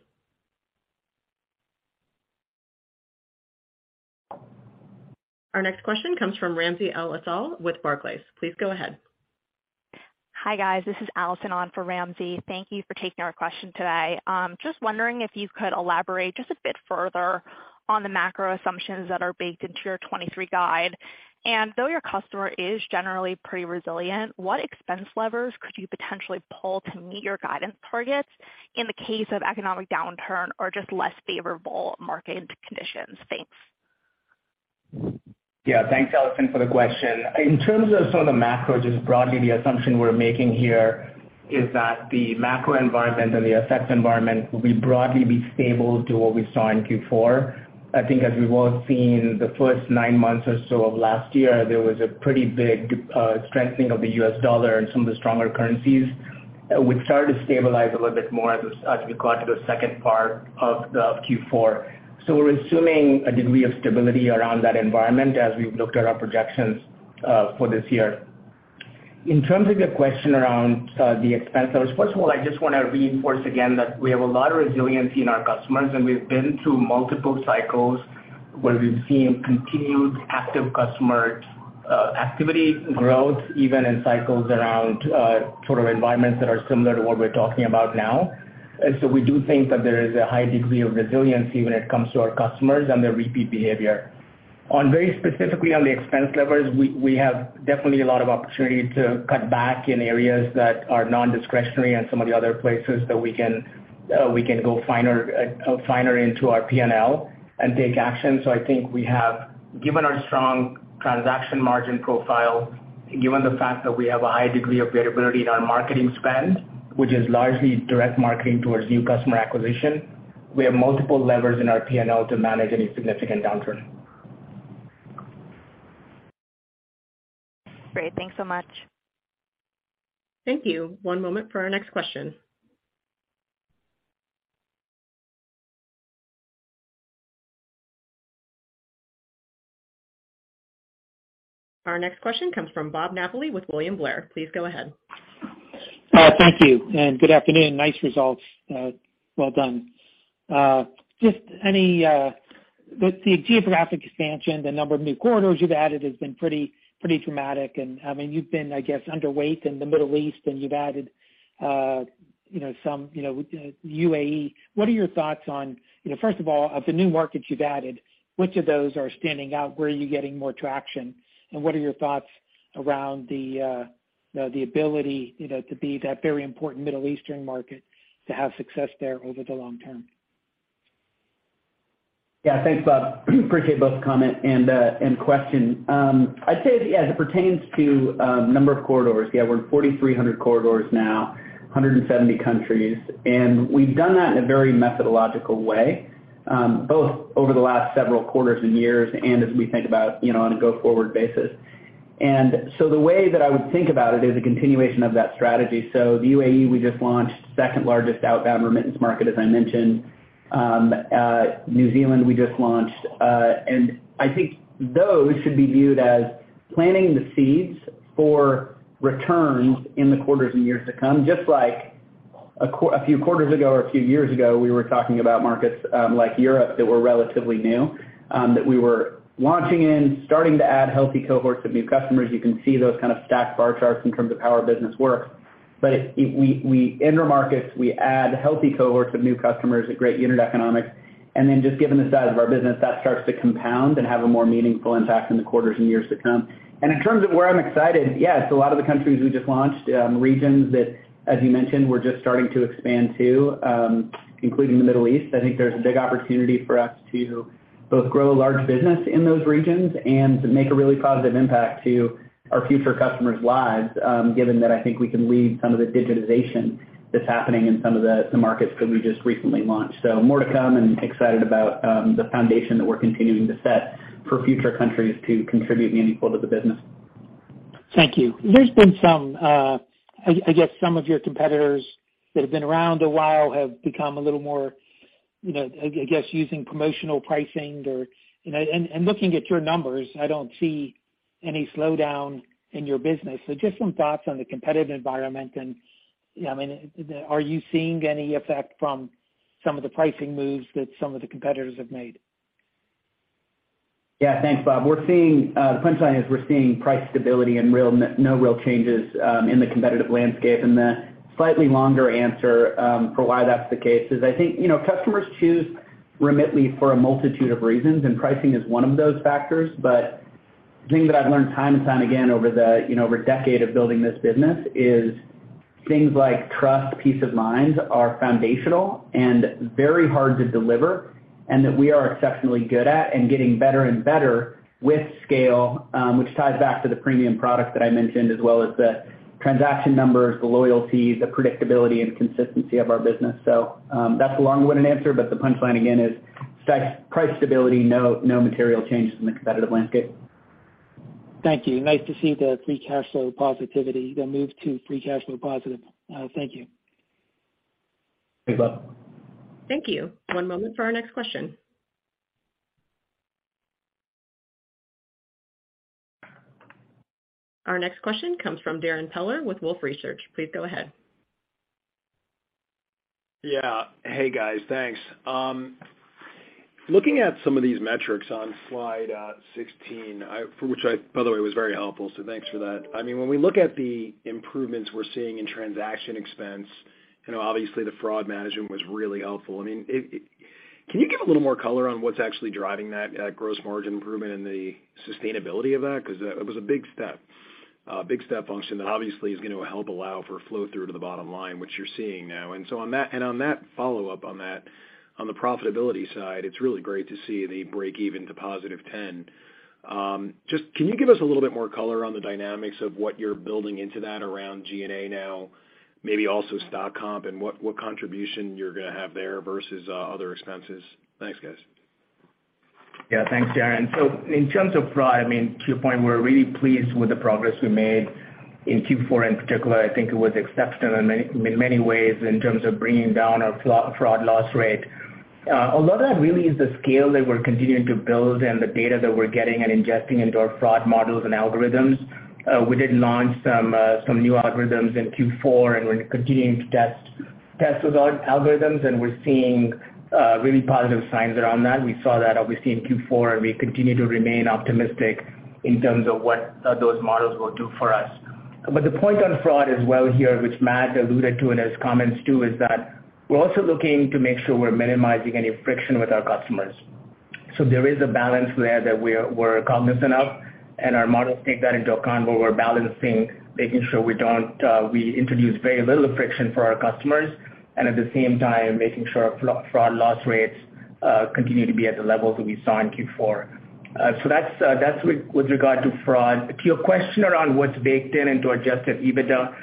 Our next question comes from Ramsey El-Assal with Barclays. Please go ahead. Hi, guys. This is Alison on for Ramsey. Thank you for taking our question today. Just wondering if you could elaborate just a bit further on the macro assumptions that are baked into your 2023 guide. Though your customer is generally pretty resilient, what expense levers could you potentially pull to meet your guidance targets in the case of economic downturn or just less favorable market conditions? Thanks. Thanks, Alison for the question. In terms of some of the macro, just broadly the assumption we're making here is that the macro environment and the effects environment will be broadly stable to what we saw in Q4. I think as we've all seen the first nine months or so of last year, there was a pretty big strengthening of the U.S. dollar and some of the stronger currencies which started to stabilize a little bit more as we got to the second part of the Q4. We're assuming a degree of stability around that environment as we've looked at our projections for this year. In terms of your question around the expenses, first of all, I just want to reinforce again that we have a lot of resiliency in our customers, and we've been through multiple cycles where we've seen continued active customer activity growth even in cycles around sort of environments that are similar to what we're talking about now. We do think that there is a high degree of resiliency when it comes to our customers and their repeat behavior. On very specifically on the expense levers, we have definitely a lot of opportunity to cut back in areas that are non-discretionary and some of the other places that we can go finer into our P&L and take action. I think we have given our strong transaction margin profile, given the fact that we have a high degree of variability in our marketing spend, which is largely direct marketing towards new customer acquisition, we have multiple levers in our P&L to manage any significant downturn. Great. Thanks so much. Thank you. One moment for our next question. Our next question comes from Bob Napoli with William Blair. Please go ahead. Thank you and good afternoon. Nice results. Well done. Just any, with the geographic expansion, the number of new corridors you've added has been pretty dramatic. I mean, you've been, I guess, underweight in the Middle East and you've added, you know, some, you know, UAE. What are your thoughts on, you know, first of all, of the new markets you've added, which of those are standing out? What are your thoughts around you know, the ability, you know, to be that very important Middle Eastern market to have success there over the long-term? Thanks, Bob. Appreciate both comment and question. I'd say, as it pertains to number of corridors, we're in 4,300 corridors now, 170 countries. We've done that in a very methodological way, both over the last several quarters and years and as we think about, you know, on a go-forward basis. The way that I would think about it is a continuation of that strategy. The UAE we just launched, second largest outbound remittance market as I mentioned. New Zealand we just launched. I think those should be viewed as planting the seeds for returns in the quarters and years to come. Just like a few quarters ago or a few years ago, we were talking about markets, like Europe that were relatively new, that we were launching in, starting to add healthy cohorts of new customers. You can see those kind of stacked bar charts in terms of how our business works. Enter markets, we add healthy cohorts of new customers at great unit economics, then just given the size of our business, that starts to compound and have a more meaningful impact in the quarters and years to come. In terms of where I'm excited, yes, a lot of the countries we just launched, regions that, as you mentioned, we're just starting to expand to, including the Middle East. I think there's a big opportunity for us to both grow a large business in those regions and to make a really positive impact to our future customers' lives, given that I think we can lead some of the digitization that's happening in some of the markets that we just recently launched. More to come and excited about, the foundation that we're continuing to set for future countries to contribute meaningful to the business. Thank you. There's been, I guess some of your competitors that have been around a while have become a little more, you know, I guess, using promotional pricing or, you know. Looking at your numbers, I don't see any slowdown in your business. Just some thoughts on the competitive environment and, you know, I mean, are you seeing any effect from some of the pricing moves that some of the competitors have made? Yeah. Thanks, Bob. We're seeing the punchline is we're seeing price stability and no real changes in the competitive landscape. The slightly longer answer for why that's the case is I think, you know, customers choose Remitly for a multitude of reasons, and pricing is one of those factors. The thing that I've learned time and time again you know, over a decade of building this business is things like trust, peace of mind are foundational and very hard to deliver, and that we are exceptionally good at and getting better and better with scale, which ties back to the premium product that I mentioned, as well as the transaction numbers, the loyalty, the predictability and consistency of our business. That's the long-winded answer, but the punchline, again, is price stability, no material changes in the competitive landscape. Thank you. Nice to see the free cash flow positivity, the move to free cash flow positive. Thank you. Thanks, Bob. Thank you. One moment for our next question. Our next question comes from Darrin Peller with Wolfe Research. Please go ahead. Yeah. Hey, guys. Thanks. Looking at some of these metrics on slide 16, by the way, was very helpful, so thanks for that. I mean, when we look at the improvements we're seeing in transaction expense, you know, obviously the fraud management was really helpful. I mean, can you give a little more color on what's actually driving that gross margin improvement and the sustainability of that? Because it was a big step function that obviously is going to help allow for flow through to the bottom line, which you're seeing now. On the profitability side, it's really great to see the breakeven to positive 10. Just, can you give us a little bit more color on the dynamics of what you're building into that around G&A now, maybe also stock comp, and what contribution you're going to have there versus other expenses? Thanks, guys. Thanks, Darrin. In terms of fraud, I mean, to your point, we're really pleased with the progress we made in Q4 in particular. I think it was exceptional in many, many ways in terms of bringing down our fraud loss rate. A lot of that really is the scale that we're continuing to build and the data that we're getting and ingesting into our fraud models and algorithms. We did launch some new algorithms in Q4, and we're continuing to test those algorithms, and we're seeing really positive signs around that. We saw that obviously in Q4, and we continue to remain optimistic in terms of what those models will do for us. The point on fraud as well here, which Matt alluded to in his comments too, is that we're also looking to make sure we're minimizing any friction with our customers. There is a balance there that we're cognizant of, and our models take that into account, but we're balancing making sure we don't introduce very little friction for our customers, and at the same time, making sure our fraud loss rates continue to be at the levels that we saw in Q4. That's with regard to fraud. Your question around what's baked into our Adjusted EBITDA,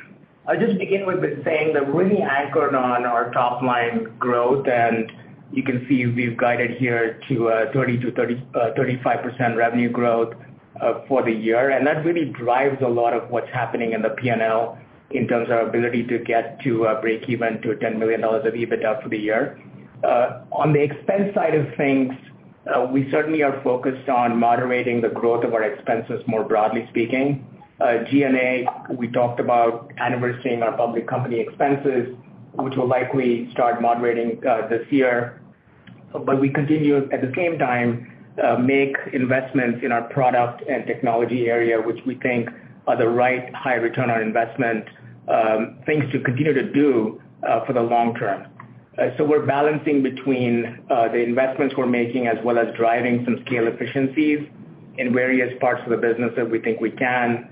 I'll just begin with saying that we're really anchored on our top line growth, and you can see we've guided here to 30%-35% revenue growth for the year. That really drives a lot of what's happening in the P&L in terms of our ability to get to breakeven to $10 million of EBITDA for the year. On the expense side of things, we certainly are focused on moderating the growth of our expenses more broadly speaking. G&A, we talked about anniversarying our public company expenses, which will likely start moderating this year. We continue, at the same time, make investments in our product and technology area, which we think are the right high return on investment, things to continue to do for the long-term. We're balancing between the investments we're making as well as driving some scale efficiencies in various parts of the business that we think we can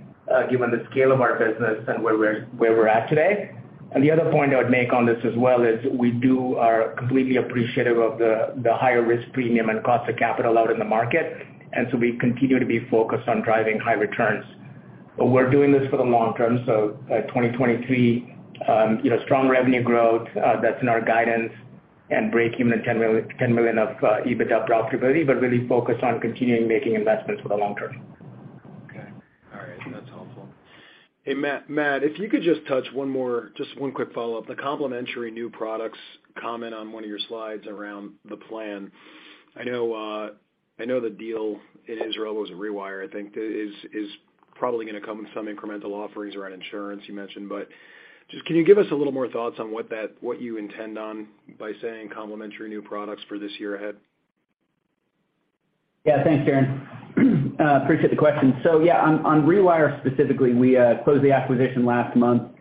given the scale of our business and where we're at today. The other point I would make on this as well is we are completely appreciative of the higher risk premium and cost of capital out in the market, and so we continue to be focused on driving high returns. We're doing this for the long-term, so, 2023, you know, strong revenue growth, that's in our guidance and breakeven at $10 million of EBITDA profitability, but really focused on continuing making investments for the long-term. Okay. All right. That's helpful. Hey, Matt, if you could just touch one more, just one quick follow-up. The complementary new products comment on one of your slides around the plan. I know the deal in Israel was Rewire, I think, is probably going to come with some incremental offerings around insurance you mentioned. Just, can you give us a little more thoughts on what you intend on by saying complementary new products for this year ahead? Thanks, Darren. Appreciate the question. On Rewire specifically, we closed the acquisition last month.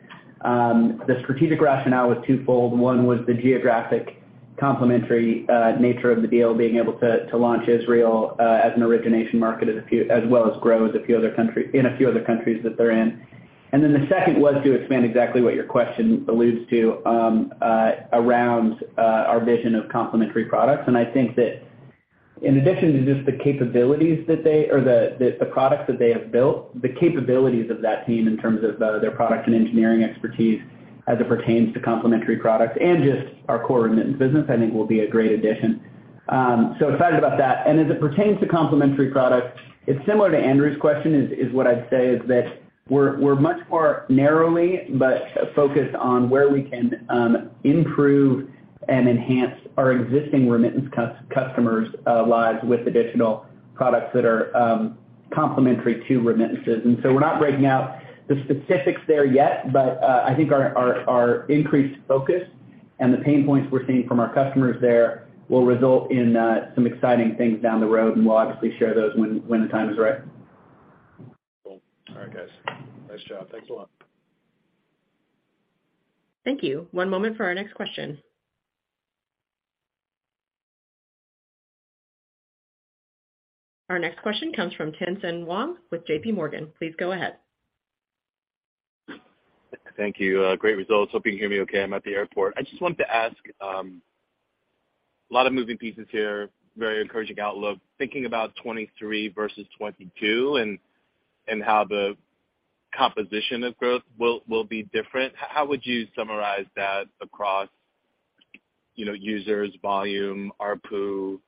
The strategic rationale was twofold. One was the geographic complementary nature of the deal, being able to launch Israel as an origination market as well as grow in a few other countries that they're in. The second was to expand exactly what your question alludes to around our vision of complementary products. I think that in addition to just the capabilities that they, or the products that they have built, the capabilities of that team in terms of their product and engineering expertise. As it pertains to complementary products and just our core remittance business, I think will be a great addition. So excited about that. As it pertains to complementary products, it's similar to Andrew's question is what I'd say is that we're much more narrowly, but focused on where we can improve and enhance our existing remittance customers' lives with additional products that are complementary to remittances. So we're not breaking out the specifics there yet. I think our increased focus and the pain points we're seeing from our customers there will result in some exciting things down the road. We'll obviously share those when the time is right. Cool. All right, guys. Nice job. Thanks a lot. Thank you. One moment for our next question. Our next question comes from Tien-Tsin Huang with JPMorgan. Please go ahead. Thank you. Great results. Hope you can hear me okay. I'm at the airport. I just wanted to ask, a lot of moving pieces here, very encouraging outlook. Thinking about 2023 versus 2022 and how the composition of growth will be different, how would you summarize that across, you know, users, volume, ARPU?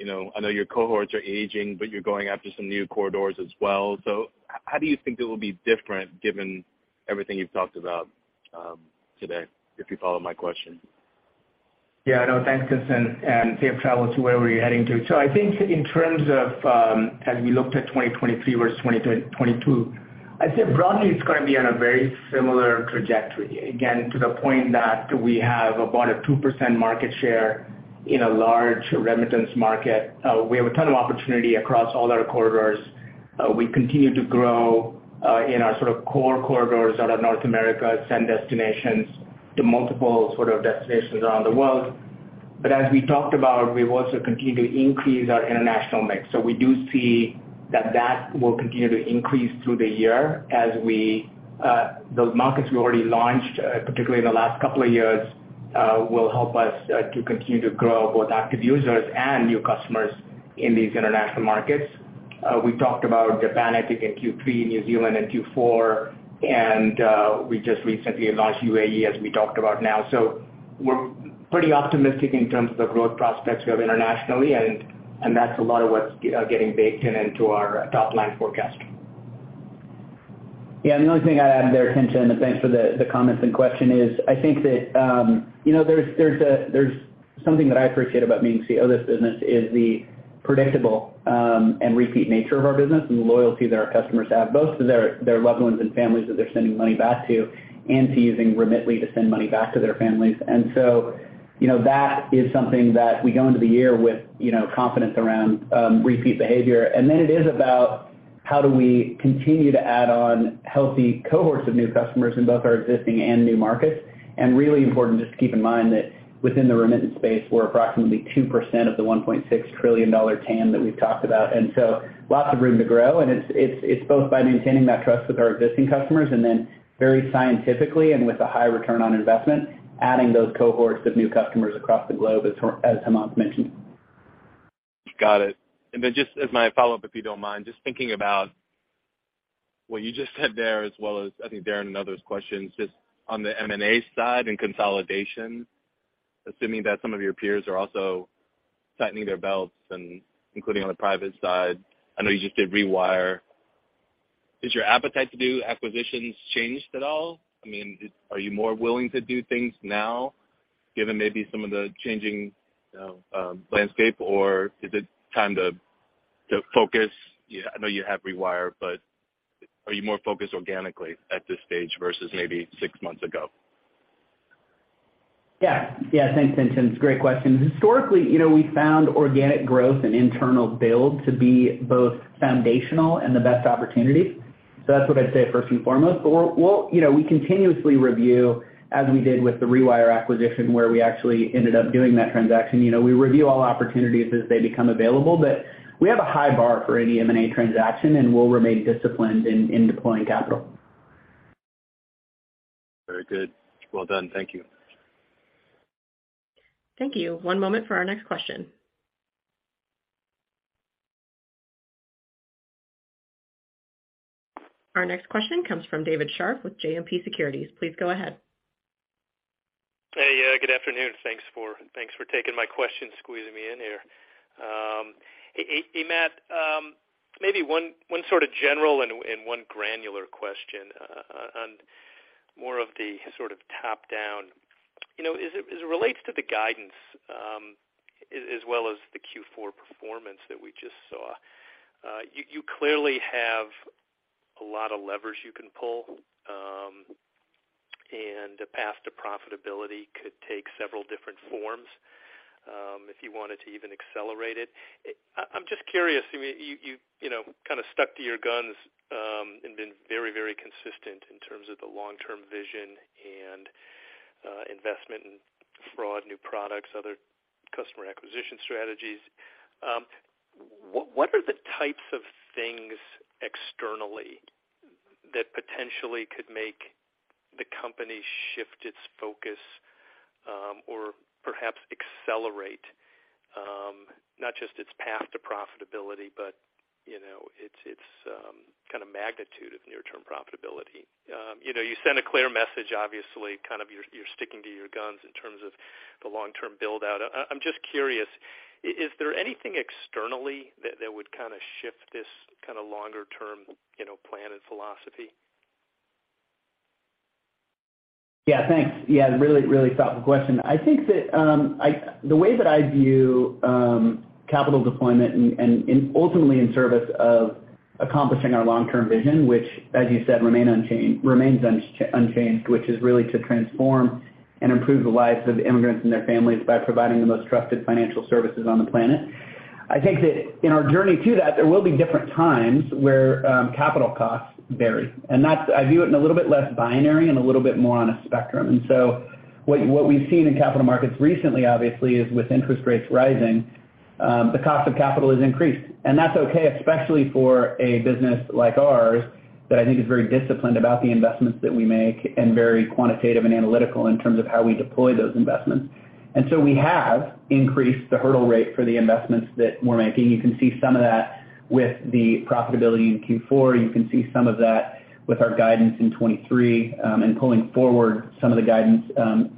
You know, I know your cohorts are aging, but you're going after some new corridors as well. How do you think it will be different given everything you've talked about today, if you follow my question? Yeah, no, thanks, Tien-Tsin, and safe travels to wherever you're heading to. I think in terms of, as we looked at 2023 versus 2022, I'd say broadly, it's going to be on a very similar trajectory. Again, to the point that we have about a 2% market share in a large remittance market. We have a ton of opportunity across all our corridors. We continue to grow, in our sort of core corridors out of North America, send destinations to multiple sort of destinations around the world. As we talked about, we've also continued to increase our international mix. We do see that that will continue to increase through the year as those markets we already launched, particularly in the last couple of years, will help us to continue to grow both active users and new customers in these international markets. We talked about Japan, I think in Q3, New Zealand in Q4, and we just recently launched UAE, as we talked about now. We're pretty optimistic in terms of the growth prospects we have internationally, and that's a lot of what's getting baked in into our top line forecast. The only thing I'd add there, Tien-Tsin, and thanks for the comments and question, is I think that, you know, there's something that I appreciate about being CEO of this business is the predictable and repeat nature of our business and the loyalty that our customers have, both to their loved ones and families that they're sending money back to and to using Remitly to send money back to their families. That is something that we go into the year with, you know, confidence around repeat behavior. Then it is about how do we continue to add on healthy cohorts of new customers in both our existing and new markets. Really important just to keep in mind that within the remittance space, we're approximately 2% of the $1.6 trillion TAM that we've talked about. Lots of room to grow. It's both by maintaining that trust with our existing customers and then very scientifically and with a high return on investment, adding those cohorts of new customers across the globe, as Hemanth mentioned. Got it. Just as my follow-up, if you don't mind, just thinking about what you just said there, as well as I think Darrin and others' questions, just on the M&A side and consolidation, assuming that some of your peers are also tightening their belts and including on the private side, I know you just did Rewire. Has your appetite to do acquisitions changed at all? I mean, are you more willing to do things now, given maybe some of the changing, you know, landscape, or is it time to focus? I know you have Rewire, but are you more focused organically at this stage versus maybe six months ago? Yeah. Thanks, Tien-Tsin. It's a great question. Historically, you know, we found organic growth and internal build to be both foundational and the best opportunity. That's what I'd say first and foremost. We'll, you know, we continuously review, as we did with the Rewire acquisition, where we actually ended up doing that transaction. You know, we review all opportunities as they become available, but we have a high bar for any M&A transaction, and we'll remain disciplined in deploying capital. Very good. Well done. Thank you. Thank you. One moment for our next question. Our next question comes from David Scharf with JMP Securities. Please go ahead. Hey, good afternoon. Thanks for taking my question, squeezing me in here. Matt, maybe one sort of general and one granular question on more of the sort of top-down. You know, as it relates to the guidance, as well as the Q4 performance that we just saw, you clearly have a lot of levers you can pull, and a path to profitability could take several different forms, if you wanted to even accelerate it. I'm just curious, I mean, you know, kind of stuck to your guns, and been very consistent in terms of the long-term vision and investment in broad new products, other customer acquisition strategies. What are the types of things externally that potentially could make the company shift its focus, or perhaps accelerate, not just its path to profitability, but, you know, its, kind of magnitude of near-term profitability? You know, you send a clear message, obviously, kind of you're sticking to your guns in terms of the long-term build-out. I'm just curious, is there anything externally that would kind of shift this kind of longer term, you know, plan and philosophy? Yeah, thanks. Yeah, really, really thoughtful question. I think that the way that I view capital deployment and ultimately in service of accomplishing our long-term vision, which as you said, remains unchanged, which is really to transform and improve the lives of immigrants and their families by providing the most trusted financial services on the planet. I think that in our journey to that, there will be different times where capital costs vary. I view it in a little bit less binary and a little bit more on a spectrum. So what we've seen in capital markets recently, obviously, is with interest rates rising, the cost of capital has increased. That's okay, especially for a business like ours, that I think is very disciplined about the investments that we make and very quantitative and analytical in terms of how we deploy those investments. We have increased the hurdle rate for the investments that we're making. You can see some of that with the profitability in Q4. You can see some of that with our guidance in 2023, and pulling forward some of the guidance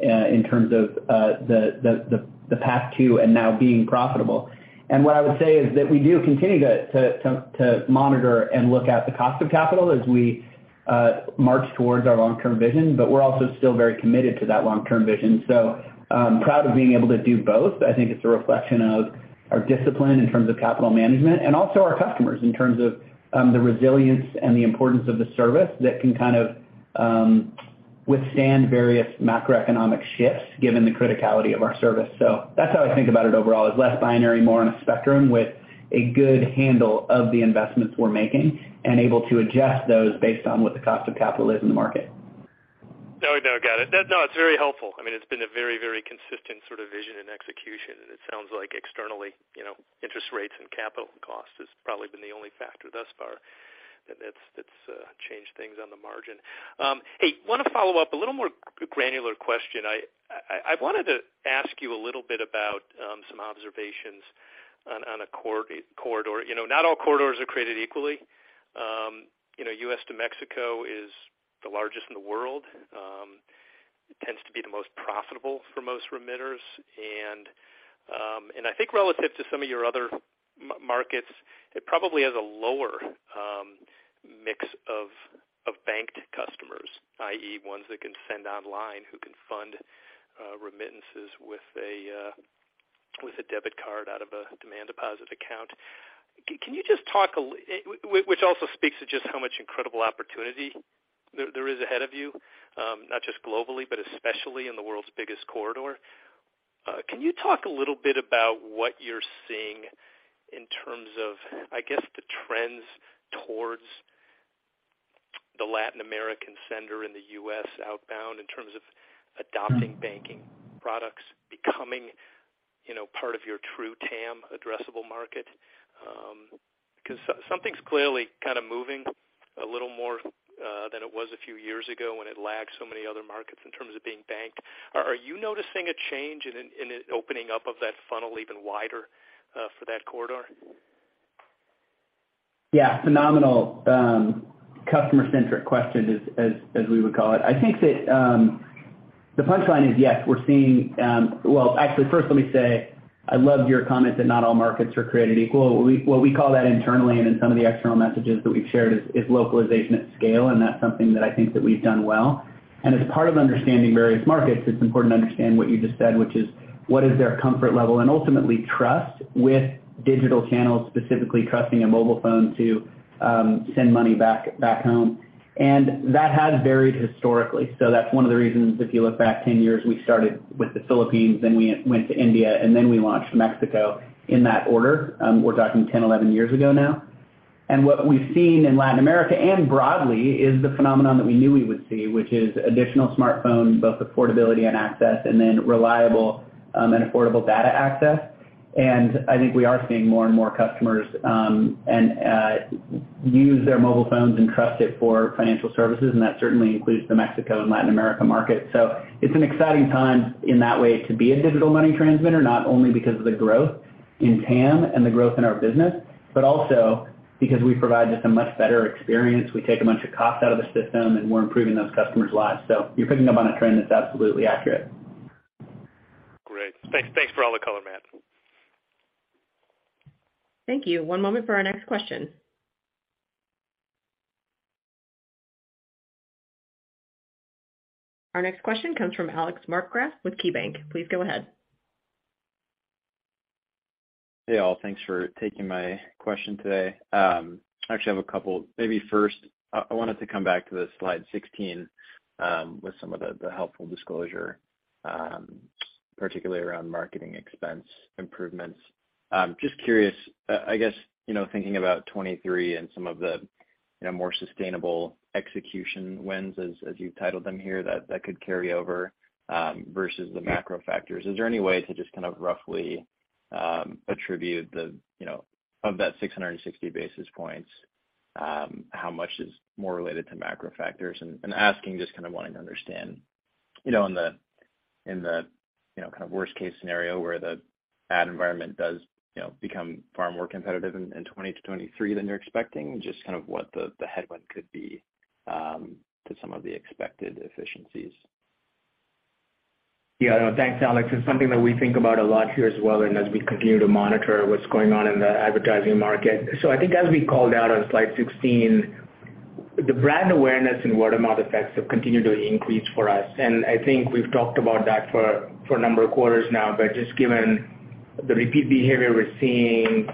in terms of the path to and now being profitable. What I would say is that we do continue to monitor and look at the cost of capital as we march towards our long-term vision, but we're also still very committed to that long-term vision. I'm proud of being able to do both. I think it's a reflection of our discipline in terms of capital management and also our customers in terms of, the resilience and the importance of the service that can kind of, withstand various macroeconomic shifts given the criticality of our service. That's how I think about it overall, is less binary, more on a spectrum with a good handle of the investments we're making and able to adjust those based on what the cost of capital is in the market. No, got it. No, it's very helpful. I mean, it's been a very, very consistent sort of vision and execution, and it sounds like externally, you know, interest rates and capital cost has probably been the only factor thus far that's changed things on the margin. want to follow up, a little more granular question? I wanted to ask you a little bit about some observations on a corridor. You know, not all corridors are created equally. You know, U.S. to Mexico is the largest in the world. It tends to be the most profitable for most remitters. I think relative to some of your other markets, it probably has a lower mix of banked customers, i.e., ones that can send online, who can fund remittances with a debit card out of a demand deposit account. Can you just talk which also speaks to just how much incredible opportunity there is ahead of you, not just globally, but especially in the world's biggest corridor. Can you talk a little bit about what you're seeing in terms of, I guess, the trends towards the Latin American sender in the U.S. outbound in terms of adopting banking products, becoming, you know, part of your true TAM addressable market? Because something's clearly kind of moving a little more than it was a few years ago when it lagged so many other markets in terms of being banked. Are you noticing a change in an opening up of that funnel even wider for that corridor? Yeah. Phenomenal, customer-centric question, as we would call it. I think that, the punchline is, yes. Well, actually, first let me say, I loved your comment that not all markets are created equal. What we call that internally and in some of the external messages that we've shared is localization at scale, and that's something that I think that we've done well. As part of understanding various markets, it's important to understand what you just said, which is what is their comfort level, and ultimately trust with digital channels, specifically trusting a mobile phone to, send money back home. That has varied historically. That's one of the reasons if you look back 10 years, we started with the Philippines, then we went to India, and then we launched Mexico in that order. We're talking 10, 11 years ago now. What we've seen in Latin America and broadly is the phenomenon that we knew we would see, which is additional smartphone, both affordability and access, and then reliable and affordable data access. I think we are seeing more and more customers and use their mobile phones and trust it for financial services, and that certainly includes the Mexico and Latin America market. It's an exciting time in that way to be a digital money transmitter, not only because of the growth in TAM and the growth in our business, but also because we provide just a much better experience. We take a bunch of cost out of the system, and we're improving those customers' lives. You're picking up on a trend that's absolutely accurate. Great. Thanks for all the color, Matt. Thank you. One moment for our next question. Our next question comes from Alex Markgraff with KeyBanc. Please go ahead. Hey, all. Thanks for taking my question today. I actually have a couple. Maybe first, I wanted to come back to the slide 16, with some of the helpful disclosure, particularly around marketing expense improvements. just curious, I guess, you know, thinking about 2023 and some of the, you know, more sustainable execution wins as you've titled them here, that could carry over versus the macro factors. Is there any way to just kind of roughly attribute the, you know, of that 660 basis points, how much is more related to macro factors? Asking, just kind of wanting to understand, you know, in the, you know, kind of worst case scenario where the ad environment does, you know, become far more competitive in 2020 to 2023 than you're expecting, just kind of what the headwind could be to some of the expected efficiencies. Yeah. No, thanks, Alex. It's something that we think about a lot here as well, and as we continue to monitor what's going on in the advertising market. I think as we called out on slide 16, the brand awareness and word-of-mouth effects have continued to increase for us, and I think we've talked about that for a number of quarters now. Just given the repeat behavior we're seeing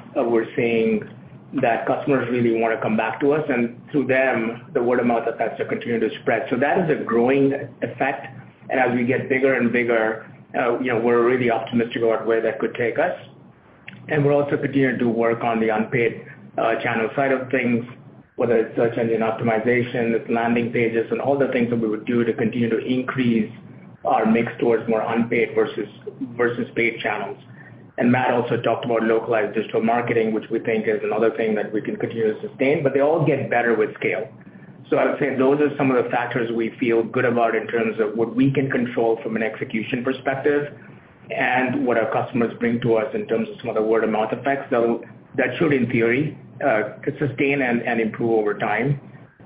that customers really want to come back to us, and through them, the word-of-mouth effects are continuing to spread. That is a growing effect. As we get bigger and bigger, you know, we're really optimistic about where that could take us. We're also continuing to work on the unpaid channel side of things, whether it's search engine optimization, it's landing pages, and all the things that we would do to continue to increase our mix towards more unpaid versus paid channels. Matt also talked about localized digital marketing, which we think is another thing that we can continue to sustain, but they all get better with scale. I would say those are some of the factors we feel good about in terms of what we can control from an execution perspective and what our customers bring to us in terms of some of the word-of-mouth effects that should in theory sustain and improve over time.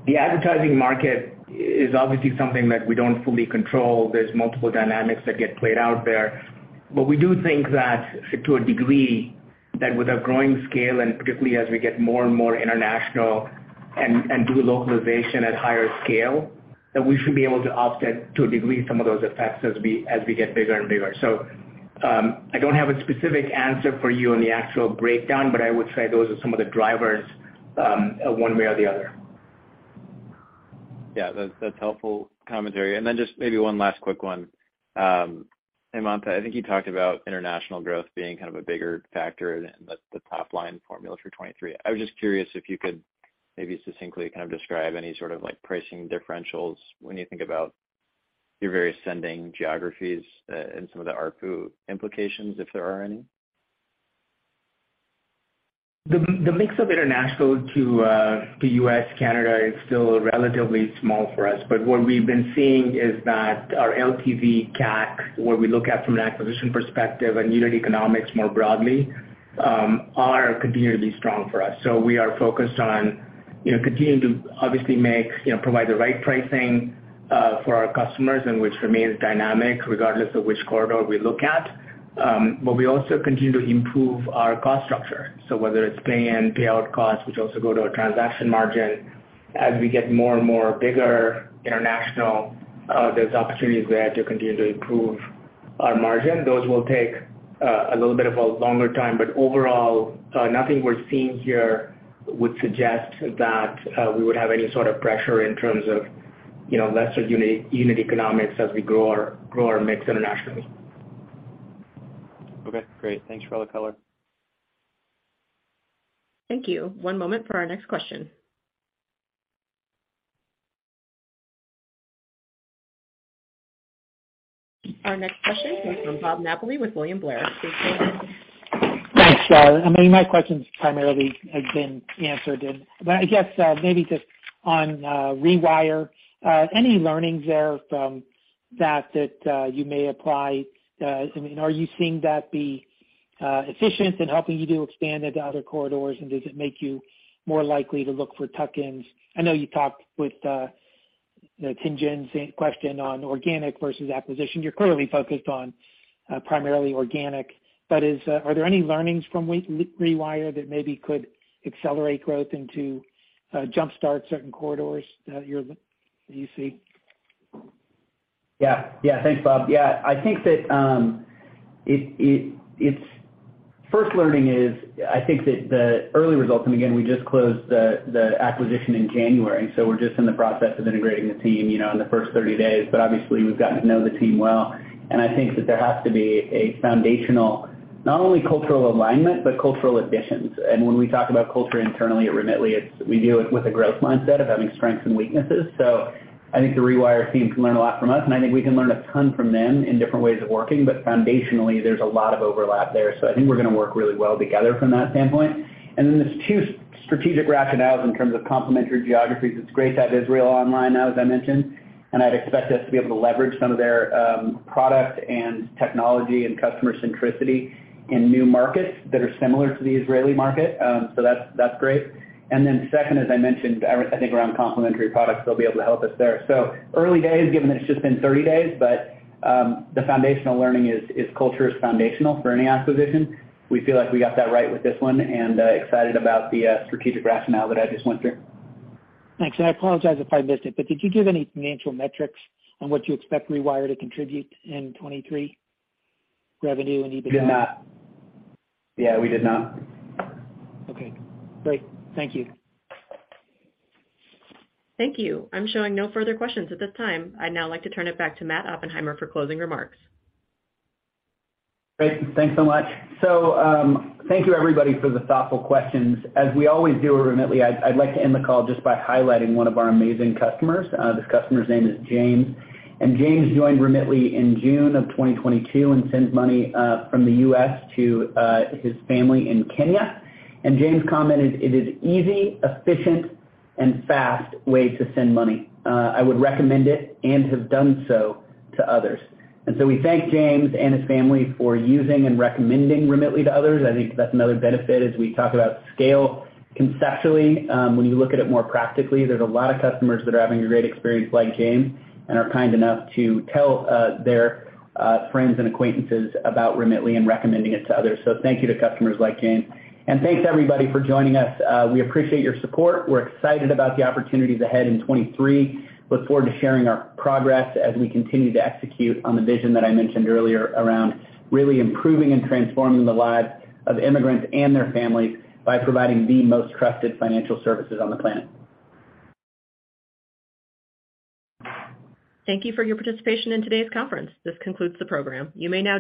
The advertising market is obviously something that we don't fully control. There's multiple dynamics that get played out there. We do think that to a degree, that with our growing scale, and particularly as we get more and more international and do localization at higher scale, that we should be able to offset to a degree some of those effects as we get bigger and bigger. I don't have a specific answer for you on the actual breakdown, but I would say those are some of the drivers, one way or the other. Yeah. That's helpful commentary. Just maybe one last quick one. Hemanth, I think you talked about international growth being kind of a bigger factor in the top line formula for 2023. I was just curious if you could maybe succinctly kind of describe any sort of like pricing differentials when you think about your various sending geographies, and some of the ARPU implications, if there are any. The mix of international to U.S., Canada is still relatively small for us, but what we've been seeing is that our LTV CAC, what we look at from an acquisition perspective and unit economics more broadly, are continually strong for us. We are focused on, you know, continuing to obviously provide the right pricing for our customers and which remains dynamic regardless of which corridor we look at. We also continue to improve our cost structure. Whether it's pay-in, payout costs, which also go to our transaction margin, as we get more and more bigger international, there's opportunities there to continue to improve our margin. Those will take a little bit of a longer-time, but overall, nothing we're seeing here would suggest that we would have any sort of pressure in terms of, you know, lesser unit economics as we grow our mix internationally. Okay, great. Thanks for all the color. Thank you. One moment for our next question. Our next question comes from Bob Napoli with William Blair. Please go ahead. Thanks, David Scharf. I mean, my questions primarily have been answered and I guess, maybe just on Rewire, any learnings there from that you may apply? I mean, are you seeing that be efficient in helping you to expand into other corridors and does it make you more likely to look for tuck-ins? I know you talked with, you know, Tien-Tsin Huang's question on organic versus acquisition. You're clearly focused on primarily organic, but is there any learnings from Rewire that maybe could accelerate growth into jumpstart certain corridors, do you see? Thanks, Bob. I think that First learning is I think that the early results, again, we just closed the acquisition in January, we're just in the process of integrating the team, you know, in the first 30 days. Obviously we've gotten to know the team well, I think that there has to be a foundational, not only cultural alignment, but cultural additions. When we talk about culture internally at Remitly, it's, we do it with a growth mindset of having strengths and weaknesses. I think the Rewire team can learn a lot from us, I think we can learn a ton from them in different ways of working. Foundationally there's a lot of overlap there. I think we're going to work really well together from that standpoint. There's two strategic rationales in terms of complimentary geographies. It's great to have Israel online now, as I mentioned, and I'd expect us to be able to leverage some of their product and technology and customer centricity in new markets that are similar to the Israeli market. That's great. Second, as I mentioned, I think around complimentary products, they'll be able to help us there. Early days, given that it's just been 30 days, but the foundational learning is culture is foundational for any acquisition. We feel like we got that right with this one, and excited about the strategic rationale that I just went through. Thanks. I apologize if I missed it, but did you give any financial metrics on what you expect Rewire to contribute in 2023 revenue and EBITDA? Yeah, we did not. Okay, great. Thank you. Thank you. I'm showing no further questions at this time. I'd now like to turn it back to Matt Oppenheimer for closing remarks. Great. Thanks so much. Thank you everybody for the thoughtful questions. As we always do at Remitly, I'd like to end the call just by highlighting one of our amazing customers. This customer's name is James, and James joined Remitly in June 2022 and sends money from the U.S. to his family in Kenya. James commented, "It is easy, efficient, and fast way to send money. I would recommend it and have done so to others." We thank James and his family for using and recommending Remitly to others. I think that's another benefit is we talk about scale conceptually. When you look at it more practically, there's a lot of customers that are having a great experience like James and are kind enough to tell their friends and acquaintances about Remitly and recommending it to others. Thank you to customers like James. Thanks everybody for joining us. We appreciate your support. We're excited about the opportunities ahead in 2023. Look forward to sharing our progress as we continue to execute on the vision that I mentioned earlier around really improving and transforming the lives of immigrants and their families by providing the most trusted financial services on the planet. Thank you for your participation in today's conference. This concludes the program. You may now disconnect.